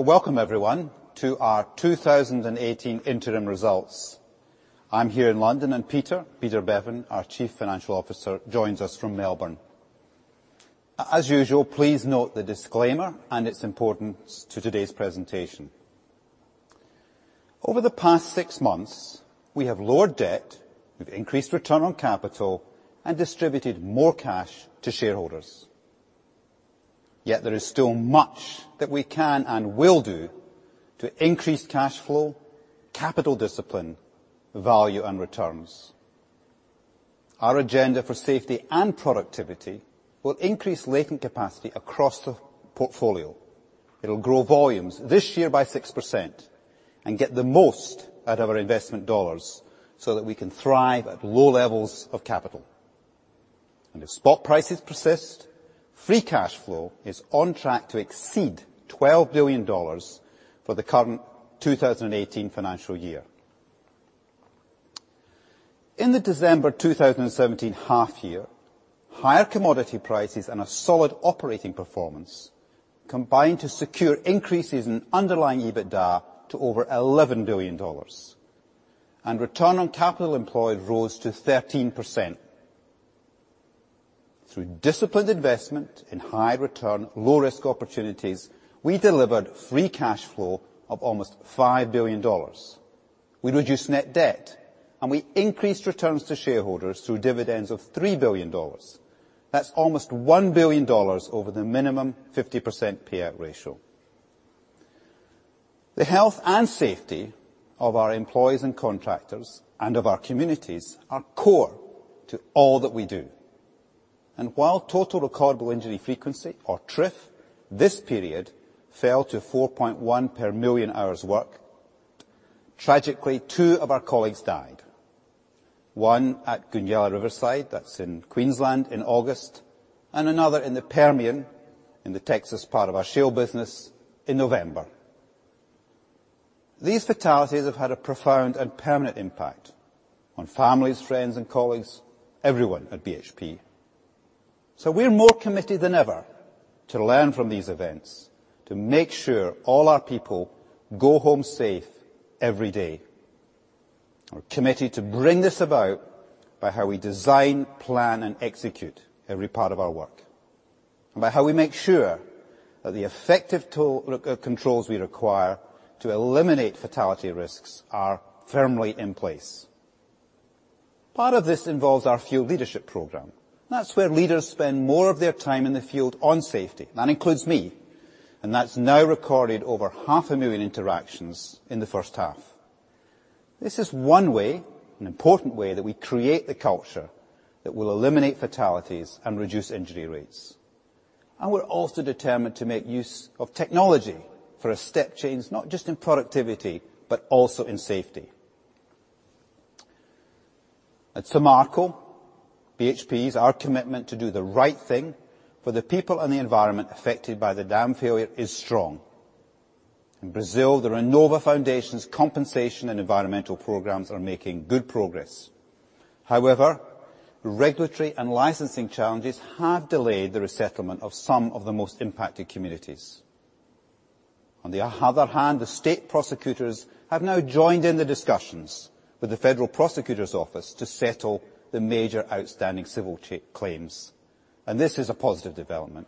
Welcome everyone to our 2018 interim results. I'm here in London, and Peter Beaven, our Chief Financial Officer, joins us from Melbourne. As usual, please note the disclaimer and its importance to today's presentation. Over the past 6 months, we have lowered debt, we've increased return on capital, and distributed more cash to shareholders. Yet there is still much that we can and will do to increase cash flow, capital discipline, value, and returns. Our agenda for safety and productivity will increase latent capacity across the portfolio. It'll grow volumes this year by 6% and get the most out of our investment dollars so that we can thrive at low levels of capital. If spot prices persist, free cash flow is on track to exceed $12 billion for the current 2018 financial year. In the December 2017 half year, higher commodity prices and a solid operating performance combined to secure increases in underlying EBITDA to over $11 billion. Return on capital employed rose to 13%. Through disciplined investment in high return, low risk opportunities, we delivered free cash flow of almost $5 billion. We reduced net debt, and we increased returns to shareholders through dividends of $3 billion. That's almost $1 billion over the minimum 50% payout ratio. The health and safety of our employees and contractors and of our communities are core to all that we do. While Total Recordable Injury Frequency, or TRIF, this period fell to 4.1 per million hours worked, tragically, two of our colleagues died. One at Goonyella Riverside, that's in Queensland, in August, and another in the Permian in the Texas part of our shale business in November. These fatalities have had a profound and permanent impact on families, friends, and colleagues, everyone at BHP. We are more committed than ever to learn from these events, to make sure all our people go home safe every day. We're committed to bring this about by how we design, plan, and execute every part of our work, and by how we make sure that the effective controls we require to eliminate fatality risks are firmly in place. Part of this involves our field leadership program. That's where leaders spend more of their time in the field on safety. That includes me. That's now recorded over half a million interactions in the first half. This is one way, an important way, that we create the culture that will eliminate fatalities and reduce injury rates. We're also determined to make use of technology for a step change, not just in productivity, but also in safety. At Samarco, BHP's, our commitment to do the right thing for the people and the environment affected by the dam failure is strong. In Brazil, the Renova Foundation's compensation and environmental programs are making good progress. However, regulatory and licensing challenges have delayed the resettlement of some of the most impacted communities. On the other hand, the state prosecutors have now joined in the discussions with the federal prosecutor's office to settle the major outstanding civil claims. This is a positive development.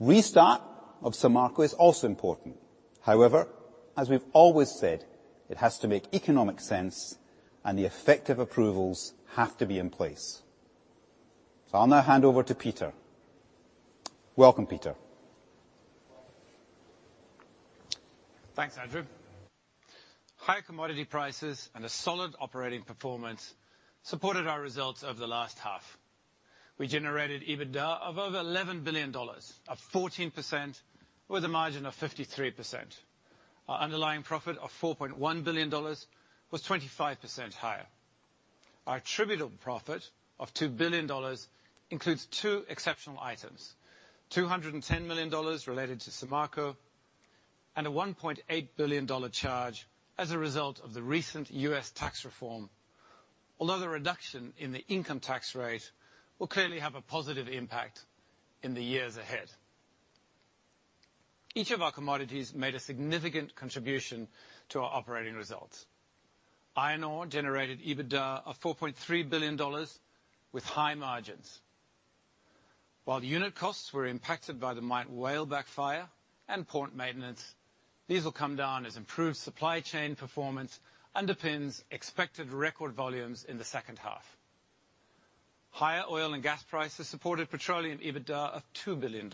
Restart of Samarco is also important. However, as we've always said, it has to make economic sense and the effective approvals have to be in place. I'll now hand over to Peter. Welcome, Peter. Thanks, Andrew. Higher commodity prices and a solid operating performance supported our results over the last half. We generated EBITDA of over $11 billion, up 14%, with a margin of 53%. Our underlying profit of $4.1 billion was 25% higher. Our attributable profit of $2 billion includes two exceptional items: $210 million related to Samarco, and a $1.8 billion charge as a result of the recent U.S. tax reform. The reduction in the income tax rate will clearly have a positive impact in the years ahead. Each of our commodities made a significant contribution to our operating results. Iron Ore generated EBITDA of $4.3 billion with high margins. While the unit costs were impacted by the Mount Whaleback fire and port maintenance, these will come down as improved supply chain performance underpins expected record volumes in the second half. Higher oil and gas prices supported petroleum EBITDA of $2 billion.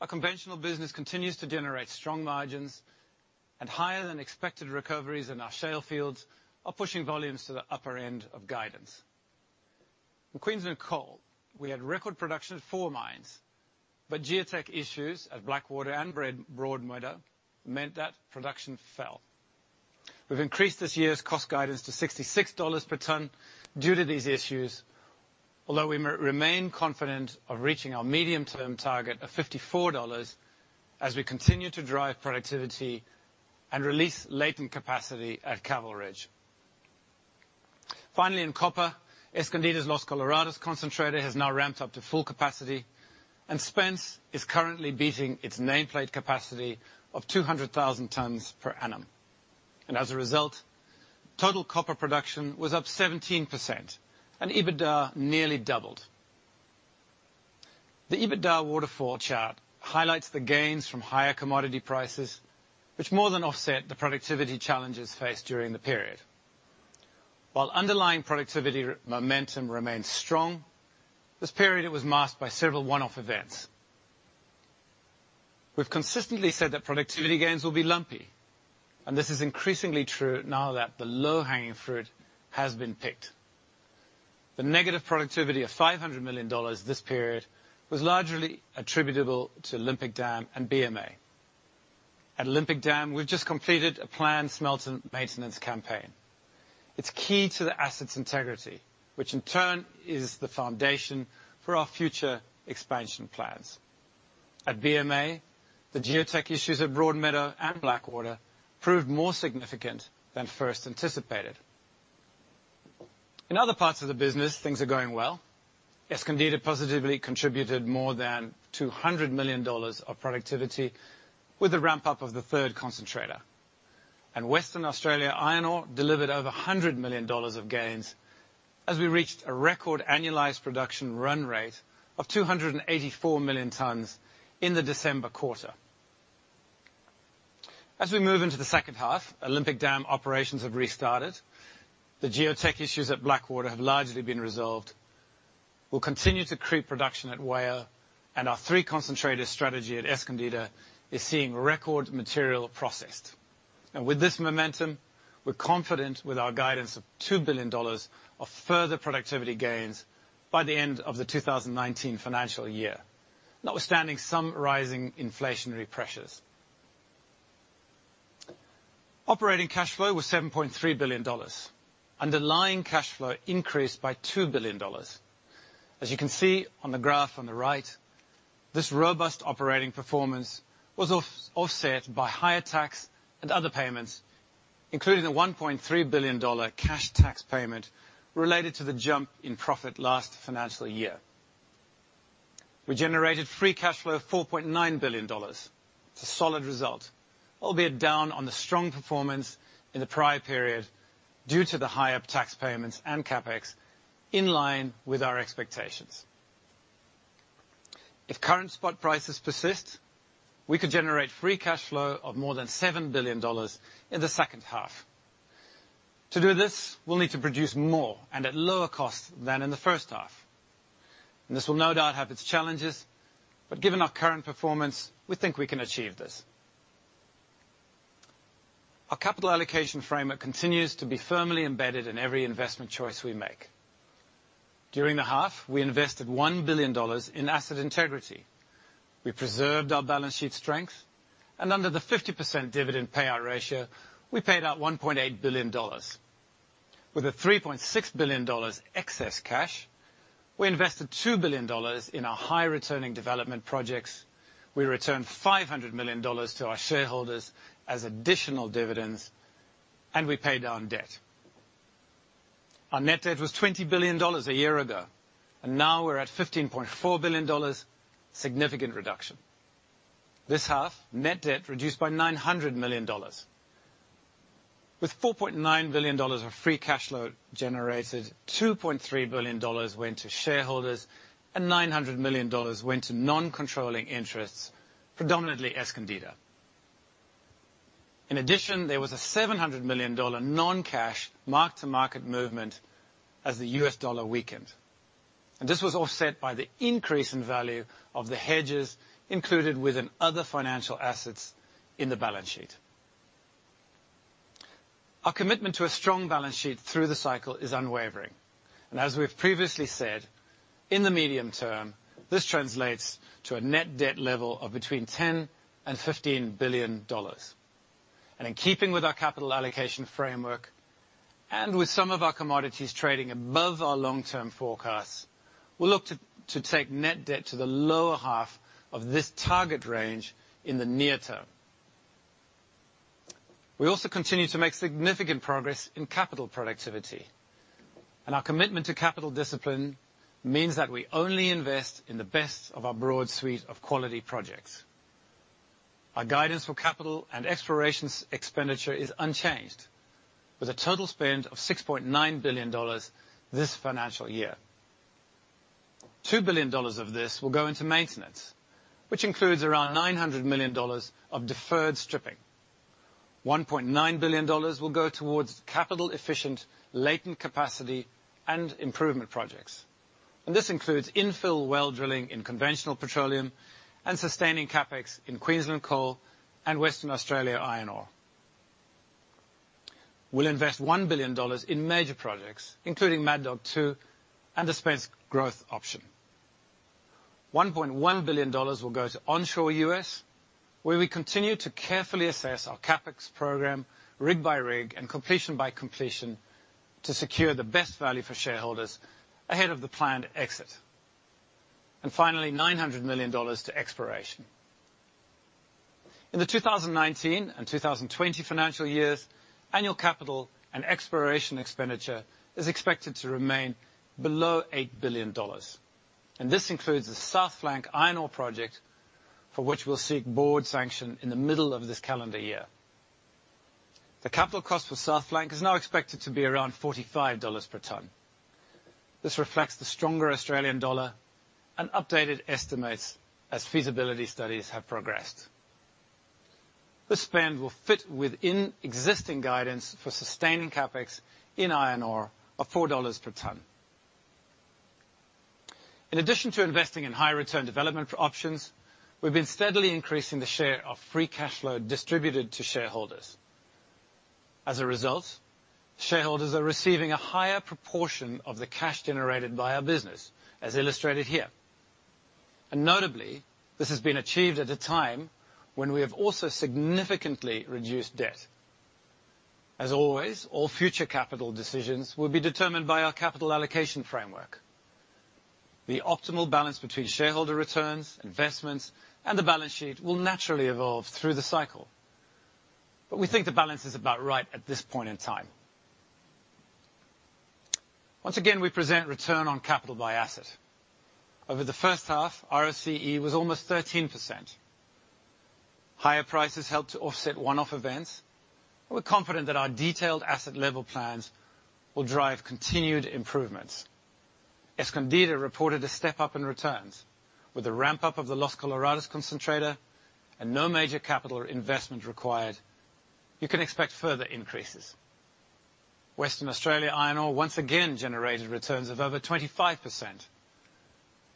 Our conventional business continues to generate strong margins, and higher than expected recoveries in our shale fields are pushing volumes to the upper end of guidance. In Queensland Coal, we had record production at 4 mines, but geotech issues at Blackwater and Broadmeadow meant that production fell. We've increased this year's cost guidance to $66 per ton due to these issues, although we remain confident of reaching our medium-term target of $54 as we continue to drive productivity and release latent capacity at Caval Ridge. Finally, in copper, Escondida's Los Colorados concentrator has now ramped up to full capacity, and Spence is currently beating its nameplate capacity of 200,000 tons per annum. As a result, total copper production was up 17%, and EBITDA nearly doubled. The EBITDA waterfall chart highlights the gains from higher commodity prices, which more than offset the productivity challenges faced during the period. While underlying productivity momentum remains strong, this period it was masked by several one-off events. We've consistently said that productivity gains will be lumpy, and this is increasingly true now that the low-hanging fruit has been picked. The negative productivity of $500 million this period was largely attributable to Olympic Dam and BMA. At Olympic Dam, we've just completed a planned smelter maintenance campaign. It's key to the asset's integrity, which in turn is the foundation for our future expansion plans. At BMA, the geotech issues at Broadmeadow and Blackwater proved more significant than first anticipated. In other parts of the business, things are going well. Escondida positively contributed more than $200 million of productivity with the ramp-up of the third concentrator. Western Australia Iron Ore delivered over $100 million of gains as we reached a record annualized production run rate of 284 million tons in the December quarter. As we move into the second half, Olympic Dam operations have restarted. The geotech issues at Blackwater have largely been resolved. We'll continue to creep production at WAIO, and our 3 concentrator strategy at Escondida is seeing record material processed. With this momentum, we're confident with our guidance of $2 billion of further productivity gains by the end of the 2019 financial year, notwithstanding some rising inflationary pressures. Operating cash flow was $7.3 billion. Underlying cash flow increased by $2 billion. As you can see on the graph on the right, this robust operating performance was offset by higher tax and other payments, including a $1.3 billion cash tax payment related to the jump in profit last financial year. We generated free cash flow of $4.9 billion. It's a solid result, albeit down on the strong performance in the prior period due to the higher tax payments and CapEx, in line with our expectations. If current spot prices persist, we could generate free cash flow of more than $7 billion in the second half. To do this, we'll need to produce more and at lower cost than in the first half. This will no doubt have its challenges, but given our current performance, we think we can achieve this. Our capital allocation framework continues to be firmly embedded in every investment choice we make. During the half, we invested $1 billion in asset integrity. We preserved our balance sheet strength, and under the 50% dividend payout ratio, we paid out $1.8 billion. With a $3.6 billion excess cash, we invested $2 billion in our high-returning development projects, we returned $500 million to our shareholders as additional dividends, we paid down debt. Our net debt was $20 billion a year ago, now we're at $15.4 billion. Significant reduction. This half, net debt reduced by $900 million. With $4.9 billion of free cash flow generated, $2.3 billion went to shareholders, $900 million went to non-controlling interests, predominantly Escondida. In addition, there was a $700 million non-cash mark-to-market movement as the U.S. dollar weakened. This was offset by the increase in value of the hedges included within other financial assets in the balance sheet. Our commitment to a strong balance sheet through the cycle is unwavering. As we've previously said, in the medium term, this translates to a net debt level of between $10 billion-$15 billion. In keeping with our capital allocation framework and with some of our commodities trading above our long-term forecasts, we look to take net debt to the lower half of this target range in the near term. We also continue to make significant progress in capital productivity, our commitment to capital discipline means that we only invest in the best of our broad suite of quality projects. Our guidance for capital and explorations expenditure is unchanged, with a total spend of $6.9 billion this financial year. $2 billion of this will go into maintenance, which includes around $900 million of deferred stripping. $1.9 billion will go towards capital-efficient latent capacity and improvement projects. This includes infill well drilling in conventional petroleum and sustaining CapEx in Queensland Coal and Western Australia Iron Ore. We'll invest $1 billion in major projects, including Mad Dog 2 and the Spence growth option. $1.1 billion will go to onshore U.S., where we continue to carefully assess our CapEx program rig by rig and completion by completion to secure the best value for shareholders ahead of the planned exit. Finally, $900 million to exploration. In the 2019 and 2020 financial years, annual capital and exploration expenditure is expected to remain below $8 billion. This includes the South Flank iron ore project, for which we'll seek board sanction in the middle of this calendar year. The capital cost for South Flank is now expected to be around $45 per ton. This reflects the stronger Australian dollar and updated estimates as feasibility studies have progressed. This spend will fit within existing guidance for sustaining CapEx in iron ore of $4 per ton. In addition to investing in high return development for options, we've been steadily increasing the share of free cash flow distributed to shareholders. As a result, shareholders are receiving a higher proportion of the cash generated by our business, as illustrated here. Notably, this has been achieved at a time when we have also significantly reduced debt. As always, all future capital decisions will be determined by our capital allocation framework. The optimal balance between shareholder returns, investments, and the balance sheet will naturally evolve through the cycle. We think the balance is about right at this point in time. Once again, we present return on capital by asset. Over the first half, ROCE was almost 13%. Higher prices helped to offset one-off events. We're confident that our detailed asset level plans will drive continued improvements. Escondida reported a step up in returns. With the ramp-up of the Los Colorados concentrator and no major capital investment required, you can expect further increases. Western Australia Iron Ore once again generated returns of over 25%.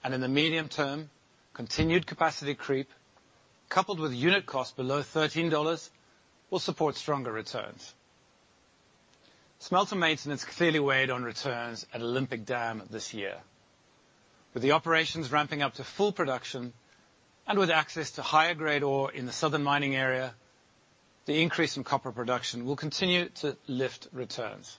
In the medium term, continued capacity creep, coupled with unit cost below $13, will support stronger returns. Smelter maintenance clearly weighed on returns at Olympic Dam this year. With the operations ramping up to full production and with access to higher grade ore in the southern mining area, the increase in copper production will continue to lift returns.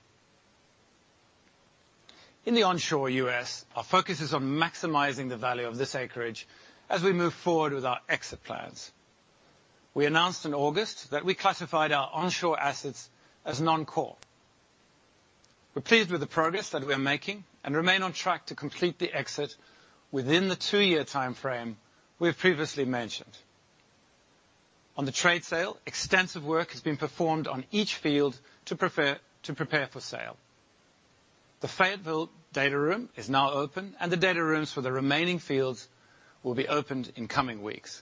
In the onshore U.S., our focus is on maximizing the value of this acreage as we move forward with our exit plans. We announced in August that we classified our onshore assets as non-core. We're pleased with the progress that we are making and remain on track to complete the exit within the two-year timeframe we've previously mentioned. On the trade sale, extensive work has been performed on each field to prepare for sale. The Fayetteville data room is now open, and the data rooms for the remaining fields will be opened in coming weeks.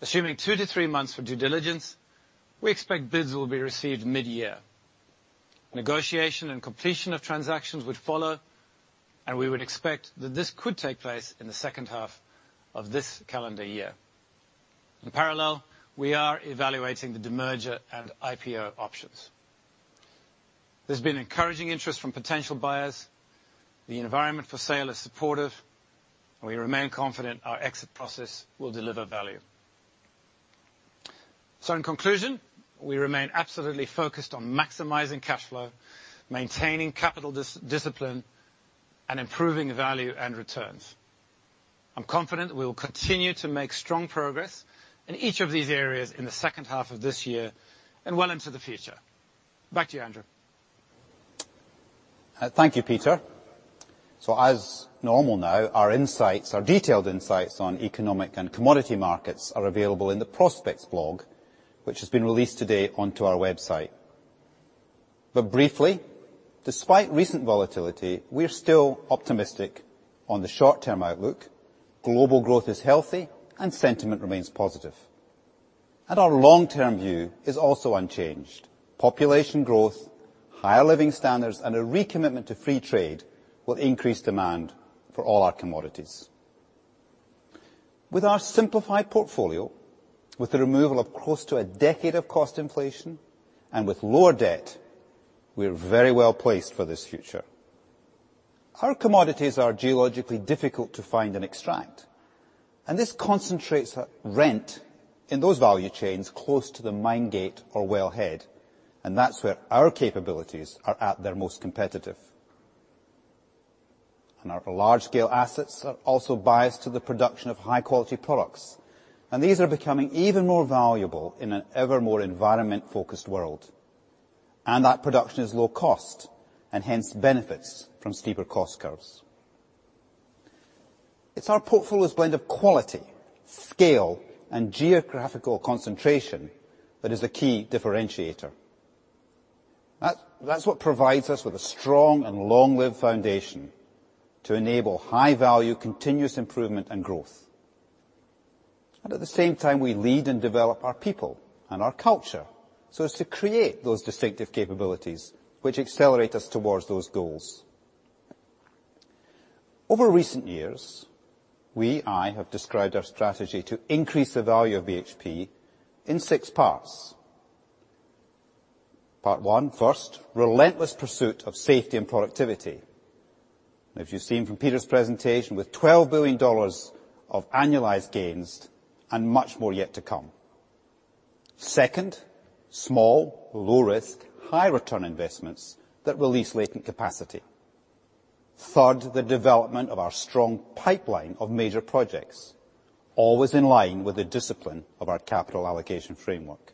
Assuming two to three months for due diligence, we expect bids will be received mid-year. Negotiation and completion of transactions would follow, and we would expect that this could take place in the second half of this calendar year. In parallel, we are evaluating the demerger and IPO options. There's been encouraging interest from potential buyers. The environment for sale is supportive, and we remain confident our exit process will deliver value. In conclusion, we remain absolutely focused on maximizing cash flow, maintaining capital discipline, and improving value and returns. I'm confident we will continue to make strong progress in each of these areas in the second half of this year and well into the future. Back to you, Andrew. Thank you, Peter. As normal now, our detailed insights on economic and commodity markets are available in the Prospects blog, which has been released today onto our website. Briefly, despite recent volatility, we are still optimistic on the short-term outlook. Global growth is healthy and sentiment remains positive. Our long-term view is also unchanged. Population growth, higher living standards, and a recommitment to free trade will increase demand for all our commodities. With our simplified portfolio, with the removal of close to a decade of cost inflation, and with lower debt, we are very well-placed for this future. Our commodities are geologically difficult to find and extract, and this concentrates rent in those value chains close to the mine gate or wellhead, and that's where our capabilities are at their most competitive. Our large-scale assets are also biased to the production of high-quality products, and these are becoming even more valuable in an ever more environment-focused world. That production is low cost and hence benefits from steeper cost curves. It's our portfolio's blend of quality, scale, and geographical concentration that is the key differentiator. That's what provides us with a strong and long-lived foundation to enable high value, continuous improvement, and growth. At the same time, we lead and develop our people and our culture so as to create those distinctive capabilities which accelerate us towards those goals. Over recent years, we, I, have described our strategy to increase the value of BHP in six parts. Part one, first, relentless pursuit of safety and productivity. As you've seen from Peter's presentation, with $12 billion of annualized gains and much more yet to come. Second, small, low risk, high return investments that release latent capacity. Third, the development of our strong pipeline of major projects, always in line with the discipline of our capital allocation framework.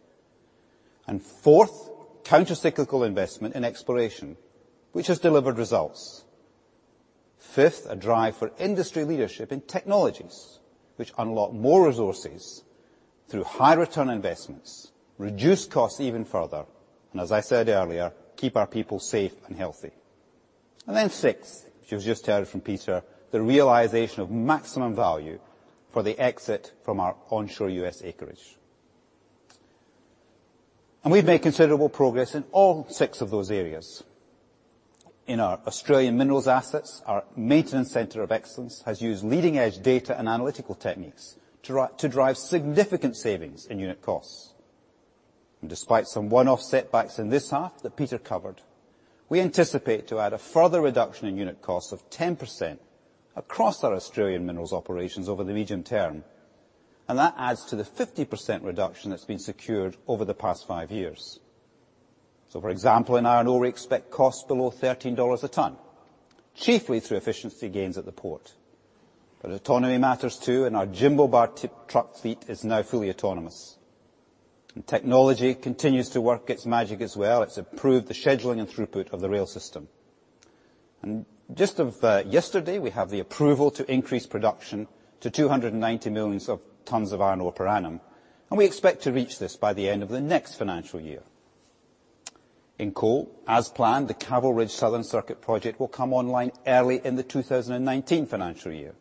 Fourth, counter-cyclical investment in exploration, which has delivered results. Fifth, a drive for industry leadership in technologies which unlock more resources through high-return investments, reduce costs even further, and as I said earlier, keep our people safe and healthy. Sixth, which you just heard from Peter, the realization of maximum value for the exit from our onshore U.S. acreage. We've made considerable progress in all six of those areas. In our Australian minerals assets, our Maintenance Center of Excellence has used leading-edge data and analytical techniques to drive significant savings in unit costs. Despite some one-off setbacks in this half that Peter covered, we anticipate to add a further reduction in unit costs of 10% across our Australian minerals operations over the medium term, and that adds to the 50% reduction that's been secured over the past five years. For example, in iron ore, we expect costs below $13 a ton, chiefly through efficiency gains at the port. Autonomy matters, too, and our Jimblebar truck fleet is now fully autonomous. Technology continues to work its magic as well. It's improved the scheduling and throughput of the rail system. Just of yesterday, we have the approval to increase production to 290 million tons of iron ore per annum, and we expect to reach this by the end of the next financial year. In coal, as planned, the Caval Ridge Southern Circuit project will come online early in the 2019 financial year.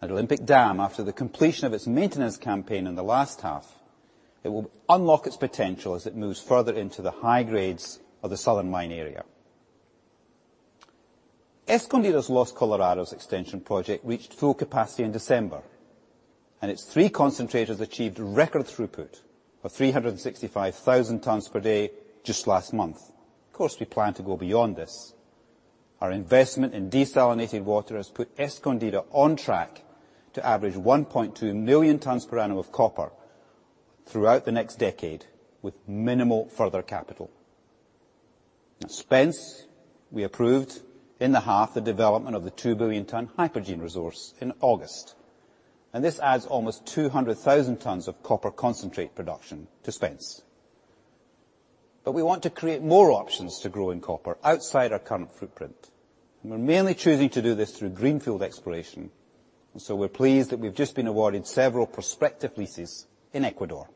At Olympic Dam, after the completion of its maintenance campaign in the last half, it will unlock its potential as it moves further into the high grades of the southern mine area. Escondida's Los Colorados extension project reached full capacity in December, and its three concentrators achieved record throughput of 365,000 tons per day just last month. We plan to go beyond this. Our investment in desalinated water has put Escondida on track to average 1.2 million tons per annum of copper throughout the next decade, with minimal further capital. At Spence, we approved in the half the development of the 2 billion-ton Hypogene resource in August, and this adds almost 200,000 tons of copper concentrate production to Spence. We want to create more options to grow in copper outside our current footprint, and we're mainly choosing to do this through greenfield exploration, and so we're pleased that we've just been awarded several prospective leases in Ecuador.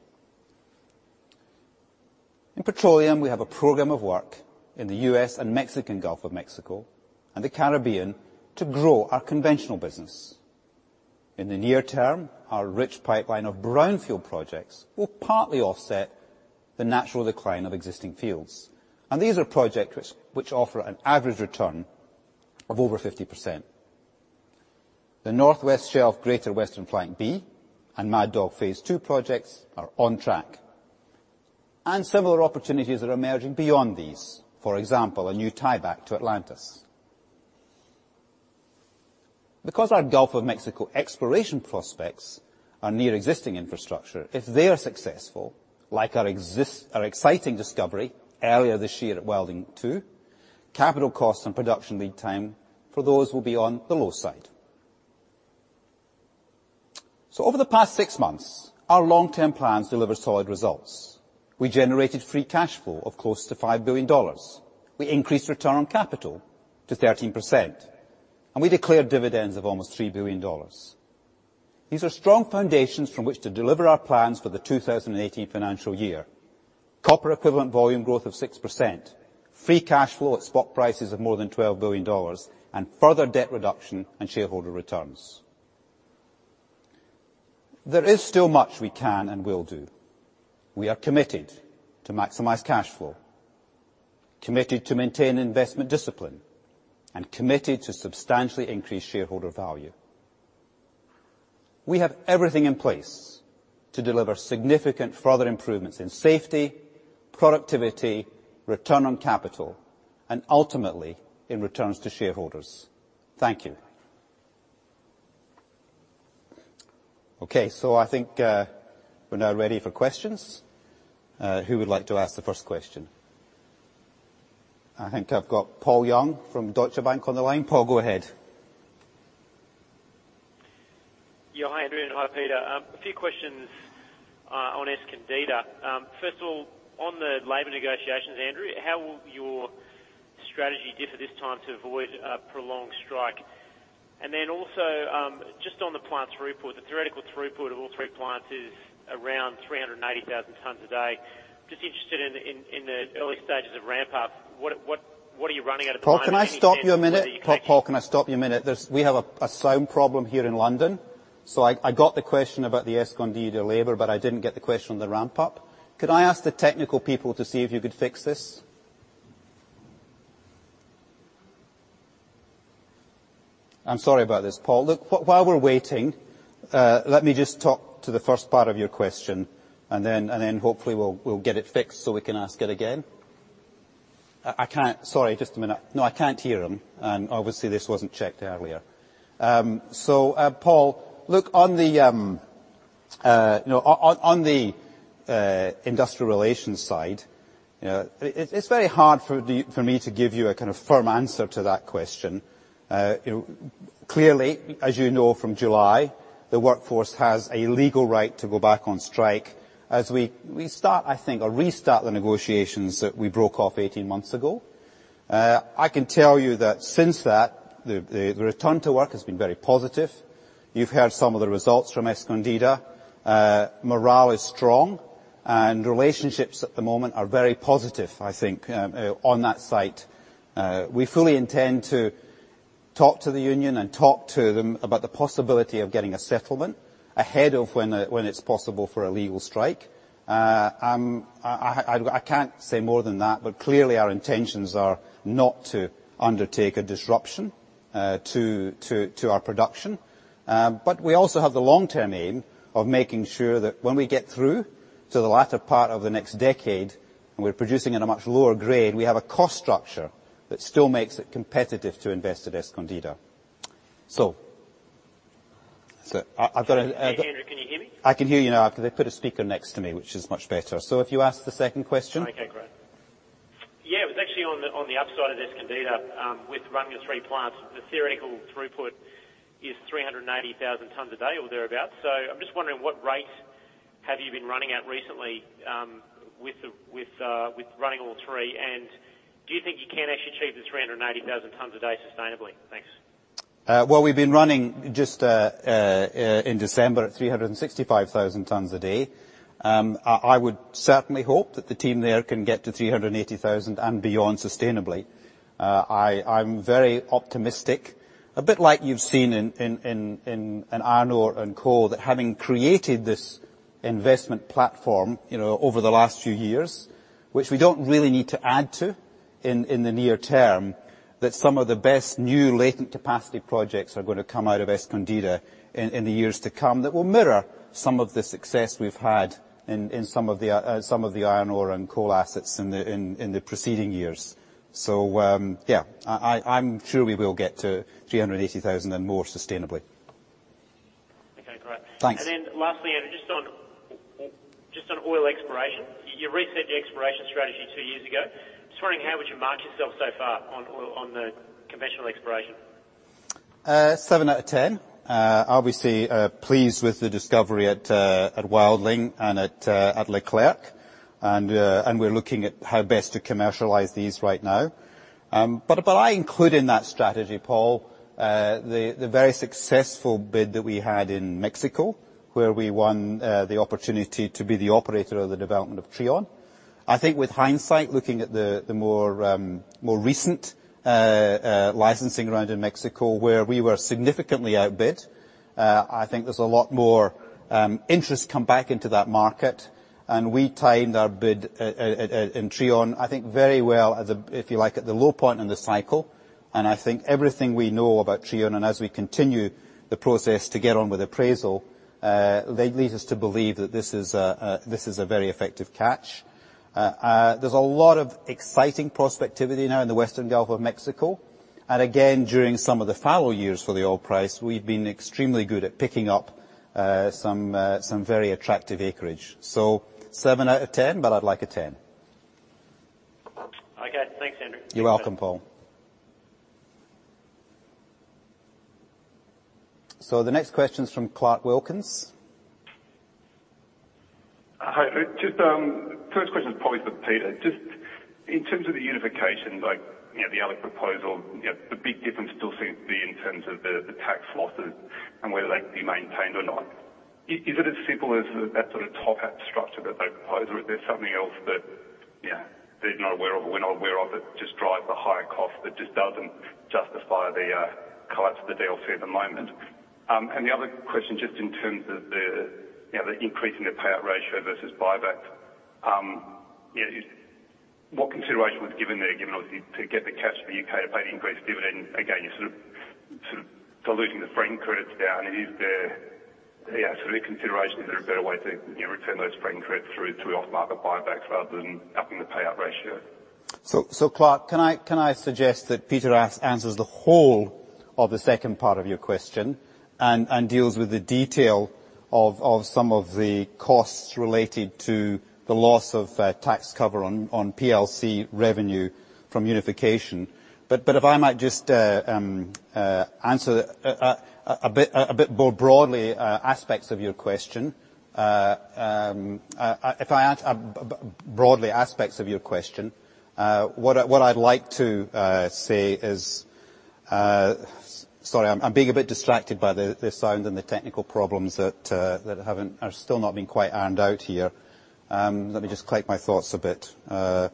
In petroleum, we have a program of work in the U.S. and Mexican Gulf of Mexico and the Caribbean to grow our conventional business. In the near term, our rich pipeline of brownfield projects will partly offset the natural decline of existing fields, and these are projects which offer an average return of over 50%. The Northwest Shelf Greater Western Flank B and Mad Dog Phase 2 projects are on track. Similar opportunities are emerging beyond these. For example, a new tieback to Atlantis. Because our Gulf of Mexico exploration prospects are near existing infrastructure, if they are successful, like our exciting discovery earlier this year at Wildling-2, capital costs and production lead time for those will be on the low side. Over the past six months, our long-term plans delivered solid results. We generated free cash flow of close to $5 billion. We increased return on capital to 13%, and we declared dividends of almost $3 billion. These are strong foundations from which to deliver our plans for the 2018 financial year. Copper equivalent volume growth of 6%, free cash flow at spot prices of more than $12 billion, and further debt reduction and shareholder returns. There is still much we can and will do. We are committed to maximize cash flow, committed to maintain investment discipline, and committed to substantially increase shareholder value. We have everything in place to deliver significant further improvements in safety, productivity, return on capital, and ultimately, in returns to shareholders. Thank you. I think we're now ready for questions. Who would like to ask the first question? I think I've got Paul Young from Deutsche Bank on the line. Paul, go ahead. Yeah. Hi, Andrew, and hi, Peter. A few questions on Escondida. First of all, on the labor negotiations, Andrew, how will your strategy differ this time to avoid a prolonged strike? Just on the plant throughput, the theoretical throughput of all three plants is around 380,000 tons a day. Just interested in the early stages of ramp up, what are you running at the moment? Any insights- Paul, can I stop you a minute? We have a sound problem here in London. I got the question about the Escondida labor, but I didn't get the question on the ramp-up. Could I ask the technical people to see if you could fix this? I'm sorry about this, Paul. Look, while we're waiting, let me just talk to the first part of your question, hopefully we'll get it fixed so we can ask it again. Sorry, just a minute. No, I can't hear him, and obviously this wasn't checked earlier. Paul, look on the industrial relations side, it's very hard for me to give you a firm answer to that question. Clearly, as you know, from July, the workforce has a legal right to go back on strike as we start, I think, or restart the negotiations that we broke off 18 months ago. I can tell you that since that, the return to work has been very positive. You've heard some of the results from Escondida. Morale is strong and relationships at the moment are very positive, I think, on that site. We fully intend to talk to the union and talk to them about the possibility of getting a settlement ahead of when it's possible for a legal strike. I can't say more than that, clearly our intentions are not to undertake a disruption to our production. We also have the long-term aim of making sure that when we get through to the latter part of the next decade and we're producing at a much lower grade, we have a cost structure that still makes it competitive to invest at Escondida. Hey, Andrew, can you hear me? I can hear you now. They put a speaker next to me, which is much better. If you ask the second question. Okay, great. Yeah, it was actually on the upside of Escondida. With running your three plants, the theoretical throughput is 380,000 tons a day or thereabout. I'm just wondering what rates have you been running at recently with running all three, and do you think you can actually achieve the 380,000 tons a day sustainably? Thanks. Well, we've been running just in December at 365,000 tons a day. I would certainly hope that the team there can get to 380,000 and beyond sustainably. I'm very optimistic, a bit like you've seen in iron ore and coal, that having created this investment platform over the last few years, which we don't really need to add to in the near term, that some of the best new latent capacity projects are going to come out of Escondida in the years to come that will mirror some of the success we've had in some of the iron ore and coal assets in the preceding years. Yeah, I'm sure we will get to 380,000 and more sustainably. Okay, great. Thanks. Lastly, Andrew, just on oil exploration. You reset the exploration strategy two years ago. Just wondering how would you mark yourself so far on the conventional exploration? Seven out of 10. Obviously, pleased with the discovery at Wildling and at LeClerc, and we're looking at how best to commercialize these right now. I include in that strategy, Paul, the very successful bid that we had in Mexico, where we won the opportunity to be the operator of the development of Trion. I think with hindsight, looking at the more recent licensing round in Mexico, where we were significantly outbid, I think there's a lot more interest come back into that market. We timed our bid in Trion, I think, very well at, if you like, at the low point in the cycle. I think everything we know about Trion, and as we continue the process to get on with appraisal, leads us to believe that this is a very effective catch. There's a lot of exciting prospectivity now in the Western Gulf of Mexico. Again, during some of the fallow years for the oil price, we've been extremely good at picking up some very attractive acreage. Seven out of 10, but I'd like a 10. Okay. Thanks, Andrew. You're welcome, Paul. The next question's from Clarke Wilkins. Hi. Just, first question is probably for Peter. Just in terms of the unification, like, the Elliott proposal, the big difference still seems to be in terms of the tax losses and whether they can be maintained or not. Is it as simple as that sort of top-hat structure that they propose? Or is there something else that they're not aware of, or we're not aware of, that just drives the higher cost that just doesn't justify the collapse of the deal fee at the moment? The other question, just in terms of the increase in the payout ratio versus buyback. What consideration was given there, given obviously to get the cash for the U.K. to pay the increased dividend, again, you're sort of diluting the franking credits down. Any considerations, is there a better way to return those franking credits through off-market buybacks rather than upping the payout ratio? Clarke, can I suggest that Peter answers the whole of the second part of your question and deals with the detail of some of the costs related to the loss of tax cover on PLC revenue from unification. If I might just answer a bit more broadly aspects of your question. If I broadly aspects of your question, what I'd like to say is Sorry, I'm being a bit distracted by the sound and the technical problems that are still not been quite ironed out here. Let me just collect my thoughts a bit. What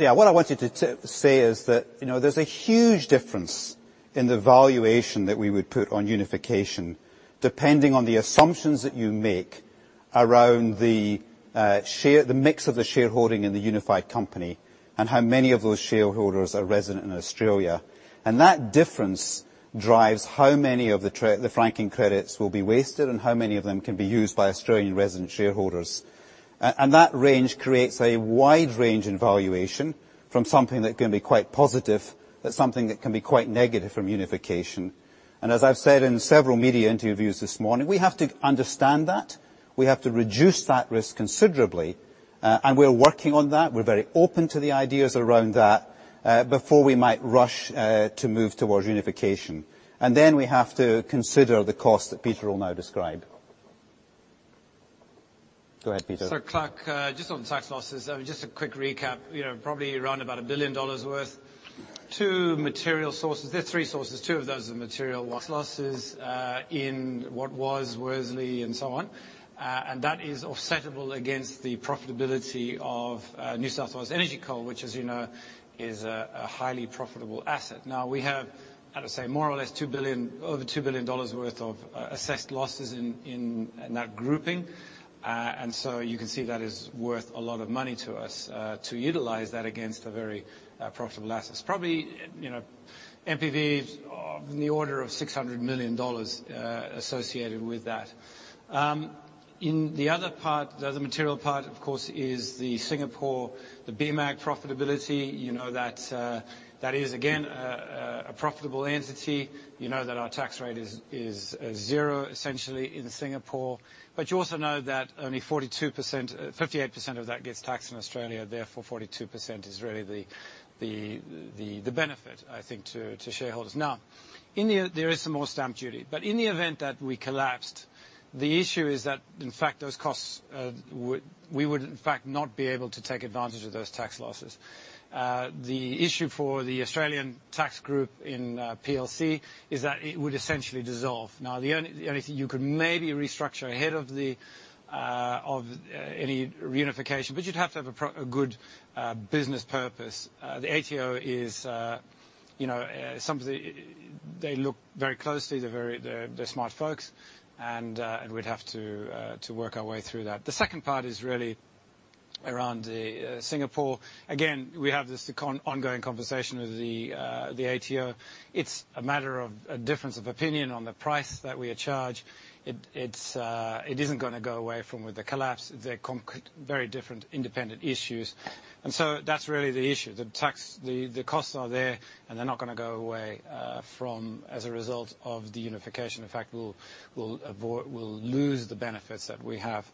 I wanted to say is that there's a huge difference in the valuation that we would put on unification, depending on the assumptions that you make around the mix of the shareholding in the unified company and how many of those shareholders are resident in Australia. That difference drives how many of the franking credits will be wasted and how many of them can be used by Australian resident shareholders. That range creates a wide range in valuation. From something that can be quite positive, but something that can be quite negative from unification. As I've said in several media interviews this morning, we have to understand that. We have to reduce that risk considerably, and we're working on that. We're very open to the ideas around that, before we might rush to move towards unification. Then we have to consider the cost that Peter will now describe. Go ahead, Peter. Clarke, just on tax losses, just a quick recap. Probably around about $1 billion worth. Two material sources. There are three sources, two of those are material loss. Losses in what was Worsley and so on. That is offsettable against the profitability of New South Wales Energy Coal, which as you know, is a highly profitable asset. Now we have, how to say, more or less over $2 billion worth of assessed losses in that grouping. You can see that is worth a lot of money to us, to utilize that against a very profitable asset. It's probably NPV in the order of $600 million associated with that. In the other part, the other material part, of course, is the Singapore, the BMAG profitability. You know that is again, a profitable entity. You know that our tax rate is zero, essentially, in Singapore. You also know that only 58% of that gets taxed in Australia, therefore 42% is really the benefit, I think, to shareholders. There is some more stamp duty. In the event that we collapsed, the issue is that in fact those costs, we would in fact not be able to take advantage of those tax losses. The issue for the Australian tax group in PLC is that it would essentially dissolve. The only thing you could maybe restructure ahead of any reunification, but you'd have to have a good business purpose. The ATO is somebody They look very closely. They're smart folks. We'd have to work our way through that. The second part is really around Singapore. Again, we have this ongoing conversation with the ATO. It's a matter of a difference of opinion on the price that we are charged. It isn't going to go away from with the collapse. They're very different, independent issues. That's really the issue. The costs are there, and they're not going to go away as a result of the unification. In fact, we'll lose the benefits that we have.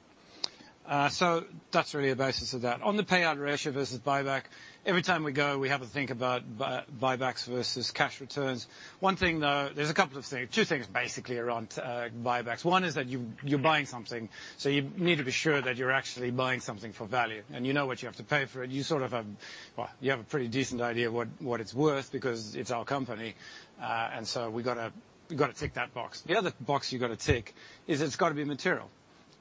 That's really a basis of that. On the payout ratio versus buyback, every time we go, we have a think about buybacks versus cash returns. One thing, though, there's a couple of things, two things basically, around buybacks. One is that you're buying something, so you need to be sure that you're actually buying something for value. You know what you have to pay for it. You have a pretty decent idea of what it's worth, because it's our company. We got to tick that box. The other box you got to tick is it's got to be material.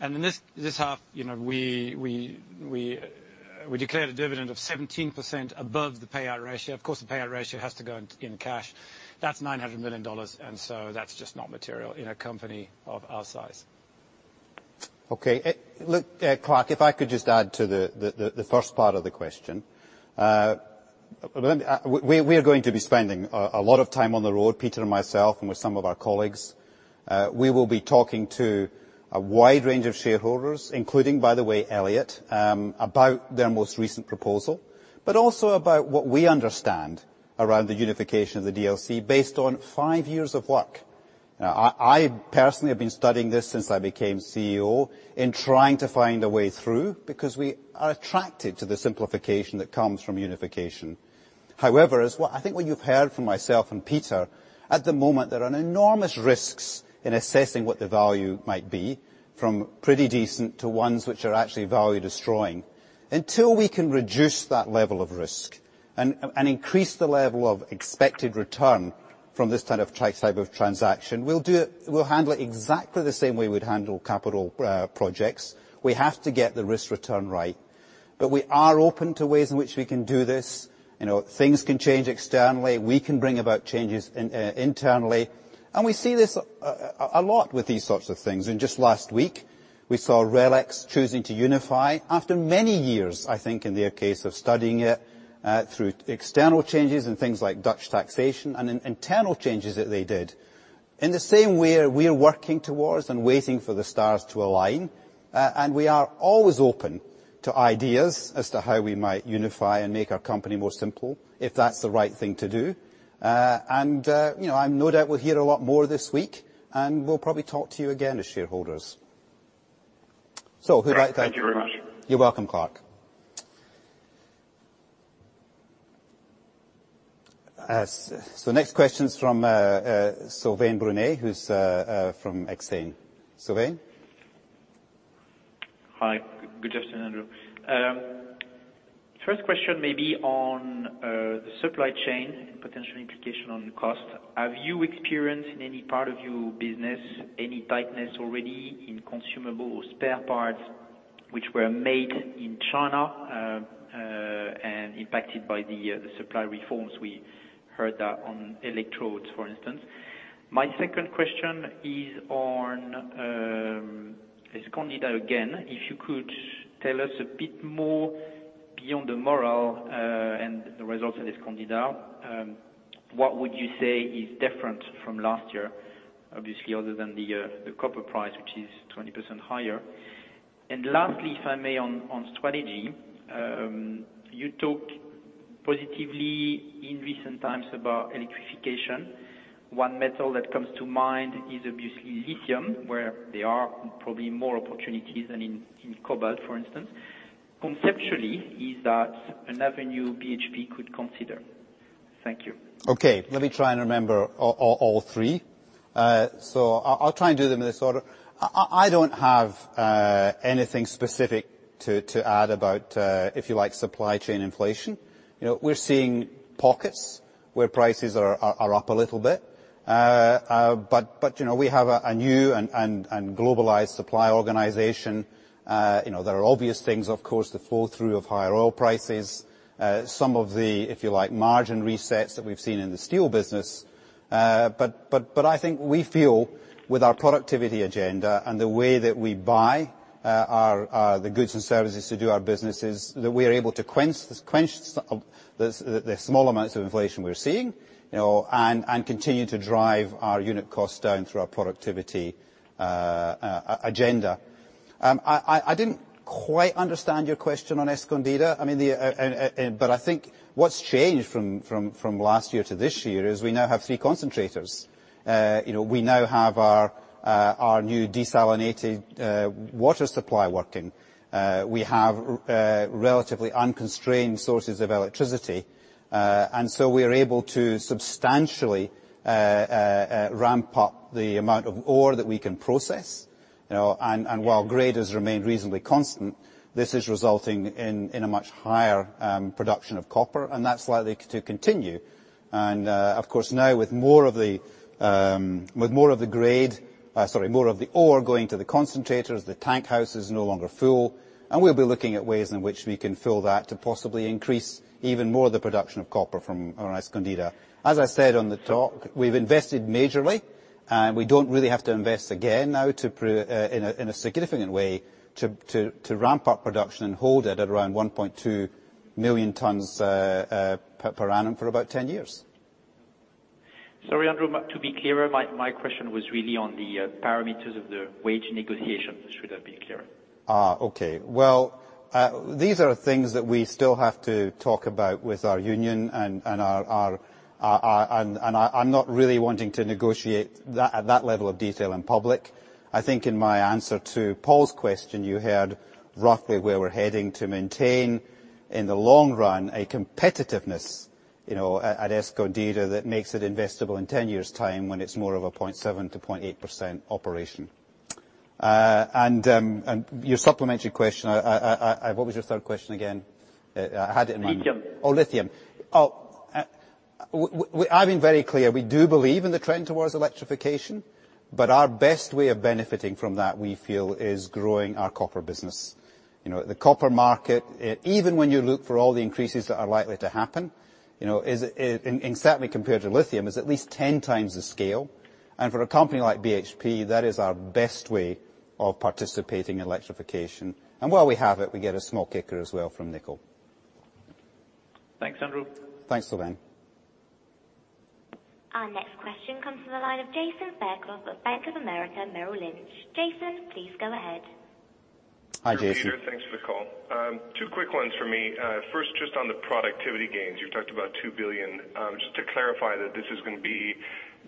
In this half, we declared a dividend of 17% above the payout ratio. Of course, the payout ratio has to go in cash. That's $900 million, that's just not material in a company of our size. Okay. Look, Clarke, if I could just add to the first part of the question. We are going to be spending a lot of time on the road, Peter and myself, and with some of our colleagues. We will be talking to a wide range of shareholders, including, by the way, Elliott, about their most recent proposal, but also about what we understand around the unification of the DLC based on five years of work. I personally have been studying this since I became CEO in trying to find a way through, because we are attracted to the simplification that comes from unification. I think what you've heard from myself and Peter, at the moment, there are enormous risks in assessing what the value might be, from pretty decent to ones which are actually value-destroying. Until we can reduce that level of risk and increase the level of expected return from this type of transaction, we'll handle it exactly the same way we'd handle capital projects. We have to get the risk return right. We are open to ways in which we can do this. Things can change externally. We can bring about changes internally. We see this a lot with these sorts of things, and just last week, we saw RELX choosing to unify after many years, I think, in their case, of studying it, through external changes and things like Dutch taxation and internal changes that they did. In the same way, we are working towards and waiting for the stars to align. We are always open to ideas as to how we might unify and make our company more simple, if that's the right thing to do. I have no doubt we'll hear a lot more this week, and we'll probably talk to you again as shareholders. Who'd like to- Thank you very much. You're welcome, Clarke. Next question's from Sylvain Brunet, who's from Exane. Sylvain? Hi. Good afternoon, Andrew. First question maybe on the supply chain and potential implication on cost. Have you experienced in any part of your business any tightness already in consumable or spare parts which were made in China, and impacted by the supply reforms? We heard that on electrodes, for instance. My second question is on Escondida again. If you could tell us a bit more beyond the moral and the results at Escondida, what would you say is different from last year, obviously other than the copper price, which is 20% higher? Lastly, if I may, on strategy. You talked positively in recent times about electrification. One metal that comes to mind is obviously lithium, where there are probably more opportunities than in cobalt, for instance. Conceptually, is that an avenue BHP could consider? Thank you. Okay. Let me try and remember all three. I'll try and do them in this order. I don't have anything specific to add about, if you like, supply chain inflation. We're seeing pockets where prices are up a little bit. We have a new and globalized supply organization. There are obvious things, of course, the flow-through of higher oil prices. Some of the, if you like, margin resets that we've seen in the steel business. I think we feel with our productivity agenda and the way that we buy the goods and services to do our businesses, that we are able to quench the small amounts of inflation we're seeing, and continue to drive our unit costs down through our productivity agenda. I didn't quite understand your question on Escondida. I think what's changed from last year to this year is we now have three concentrators. We now have our new desalinated water supply working. We have relatively unconstrained sources of electricity. We are able to substantially ramp up the amount of ore that we can process. While grade has remained reasonably constant, this is resulting in a much higher production of copper, and that's likely to continue. Of course, now with more of the ore going to the concentrators, the tank house is no longer full, and we'll be looking at ways in which we can fill that to possibly increase even more of the production of copper from our Escondida. As I said on the talk, we've invested majorly, and we don't really have to invest again now in a significant way to ramp up production and hold it at around 1.2 million tons per annum for about 10 years. Sorry, Andrew, to be clearer, my question was really on the parameters of the wage negotiations. Should I be clearer? Okay. These are things that we still have to talk about with our union, and I'm not really wanting to negotiate at that level of detail in public. I think in my answer to Paul's question, you heard roughly where we're heading to maintain, in the long run, a competitiveness at Escondida that makes it investable in 10 years' time when it's more of a 0.7%-0.8% operation. Your supplementary question, what was your third question again? I had it in the- Lithium. lithium. I've been very clear. We do believe in the trend towards electrification, but our best way of benefiting from that, we feel, is growing our copper business. The copper market, even when you look for all the increases that are likely to happen, and certainly compared to lithium, is at least 10 times the scale. For a company like BHP, that is our best way of participating in electrification. While we have it, we get a small kicker as well from nickel. Thanks, Andrew. Thanks, Sylvain. Our next question comes from the line of Jason Fairclough of Bank of America Merrill Lynch. Jason, please go ahead. Hi, Jason. Peter, thanks for the call. Two quick ones for me. First, just on the productivity gains. You talked about $2 billion. Just to clarify that this is going to be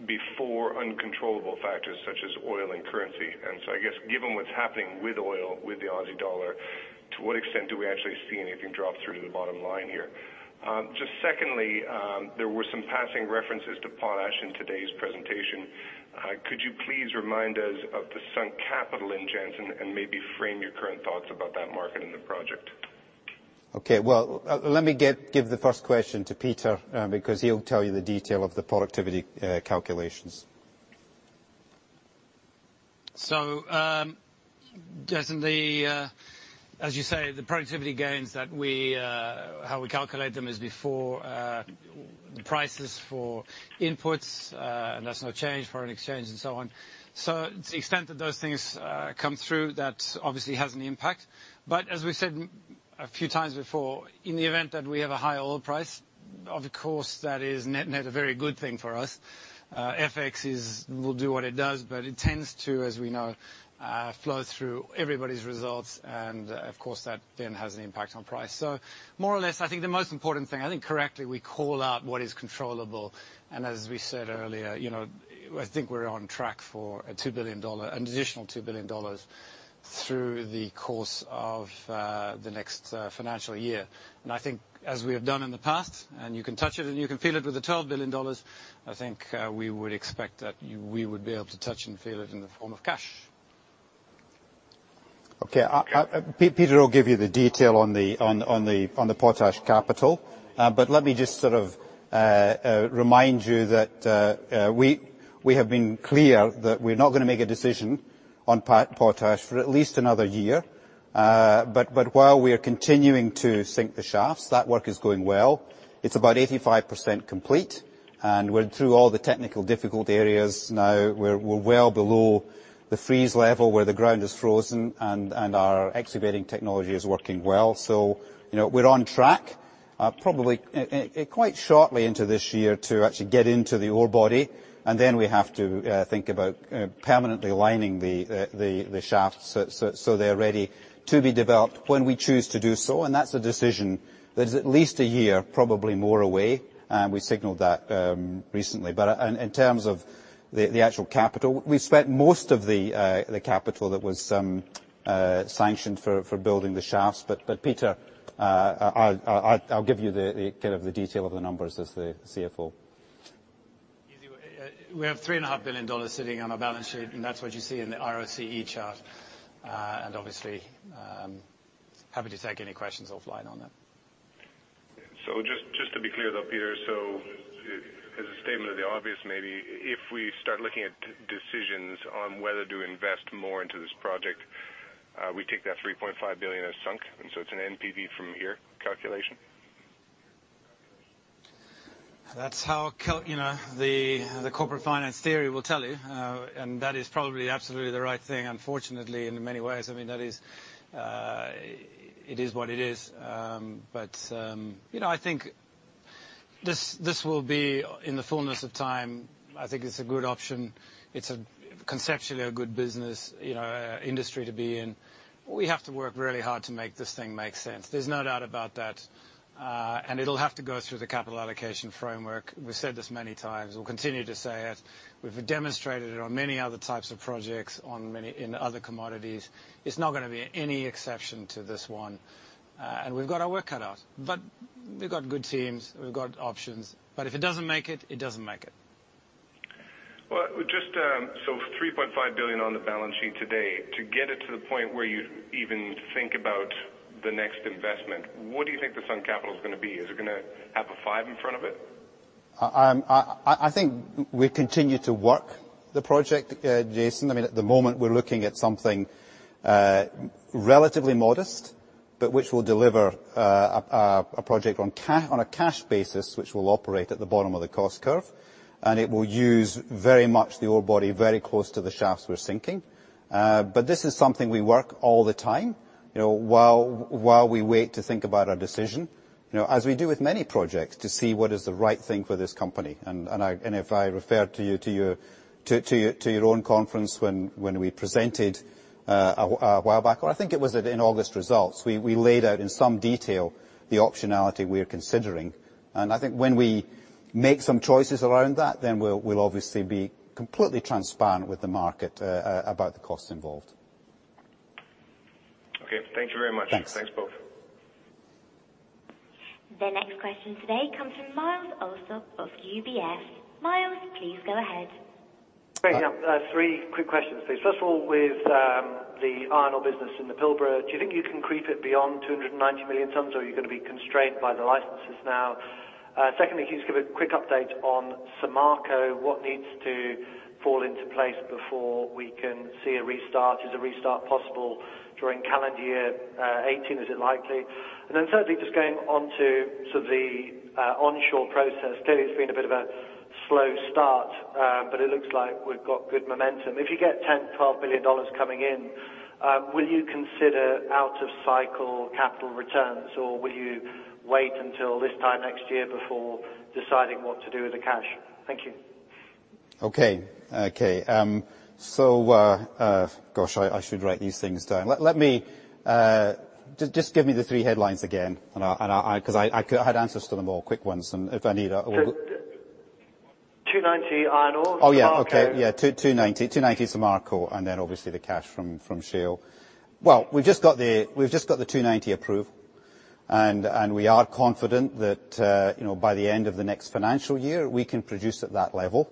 before uncontrollable factors such as oil and currency. I guess, given what's happening with oil, with the AUD, to what extent do we actually see anything drop through to the bottom line here? Just secondly, there were some passing references to potash in today's presentation. Could you please remind us of the sunk capital in Jansen and maybe frame your current thoughts about that market and the project? Let me give the first question to Peter, because he'll tell you the detail of the productivity calculations. Jason, as you say, the productivity gains, how we calculate them is before prices for inputs, and that's no change, foreign exchange and so on. To the extent that those things come through, that obviously has an impact. As we said a few times before, in the event that we have a high oil price, of course that is net a very good thing for us. FX will do what it does, but it tends to, as we know, flow through everybody's results, and of course that then has an impact on price. More or less, I think the most important thing, I think correctly, we call out what is controllable. As we said earlier, I think we're on track for an additional $2 billion through the course of the next financial year. I think as we have done in the past, and you can touch it and you can feel it with the $12 billion, I think we would expect that we would be able to touch and feel it in the form of cash. Okay. Peter will give you the detail on the potash capital. Let me just remind you that we're not going to make a decision on potash for at least another year. While we are continuing to sink the shafts, that work is going well. It's about 85% complete, and we're through all the technical difficult areas now. We're well below the freeze level where the ground is frozen, and our excavating technology is working well. We're on track Probably quite shortly into this year to actually get into the ore body, and then we have to think about permanently lining the shafts so they're ready to be developed when we choose to do so. That's a decision that is at least a year, probably more away. We signaled that recently. In terms of the actual capital, we've spent most of the capital that was sanctioned for building the shafts. Peter, I'll give you the detail of the numbers as the CFO. We have $3.5 billion sitting on our balance sheet, that's what you see in the ROCE chart. Obviously, happy to take any questions offline on that. just to be clear, though, Peter, as a statement of the obvious, maybe, if we start looking at decisions on whether to invest more into this project, we take that $3.5 billion as sunk, it's an NPV from here calculation? That's how the corporate finance theory will tell you, that is probably absolutely the right thing, unfortunately, in many ways. It is what it is. I think this will be, in the fullness of time, I think it's a good option. It's conceptually a good business industry to be in. We have to work really hard to make this thing make sense. There's no doubt about that. It'll have to go through the capital allocation framework. We've said this many times. We'll continue to say it. We've demonstrated it on many other types of projects in other commodities. It's not going to be any exception to this one. We've got our work cut out. We've got good teams. We've got options. If it doesn't make it doesn't make it. $3.5 billion on the balance sheet today. To get it to the point where you even think about the next investment, what do you think the sunk capital is going to be? Is it going to have a five in front of it? I think we continue to work the project, Jason. At the moment, we're looking at something relatively modest, but which will deliver a project on a cash basis which will operate at the bottom of the cost curve, and it will use very much the ore body very close to the shafts we're sinking. This is something we work all the time while we wait to think about our decision, as we do with many projects, to see what is the right thing for this company. If I refer to your own conference when we presented a while back, or I think it was in August results, we laid out in some detail the optionality we are considering. I think when we make some choices around that, we'll obviously be completely transparent with the market about the costs involved. Okay. Thank you very much. Thanks. Thanks both. The next question today comes from Myles Allsop of UBS. Myles, please go ahead. Great. Yeah. Three quick questions, please. First of all, with the Iron Ore business in the Pilbara, do you think you can creep it beyond 290 million tons, or are you going to be constrained by the licenses now? Secondly, can you just give a quick update on Samarco? What needs to fall into place before we can see a restart? Is a restart possible during calendar year 2018? Is it likely? Thirdly, just going onto sort of the onshore process. Clearly, it's been a bit of a slow start, but it looks like we've got good momentum. If you get $10, $12 billion coming in, will you consider out-of-cycle capital returns, or will you wait until this time next year before deciding what to do with the cash? Thank you. Okay. Gosh, I should write these things down. Just give me the three headlines again, because I had answers to them all, quick ones. 290 Iron Ore. Oh, yeah. Okay. Yeah. 290 Samarco, obviously the cash from shale. We've just got the 290 approved, we are confident that by the end of the next financial year, we can produce at that level.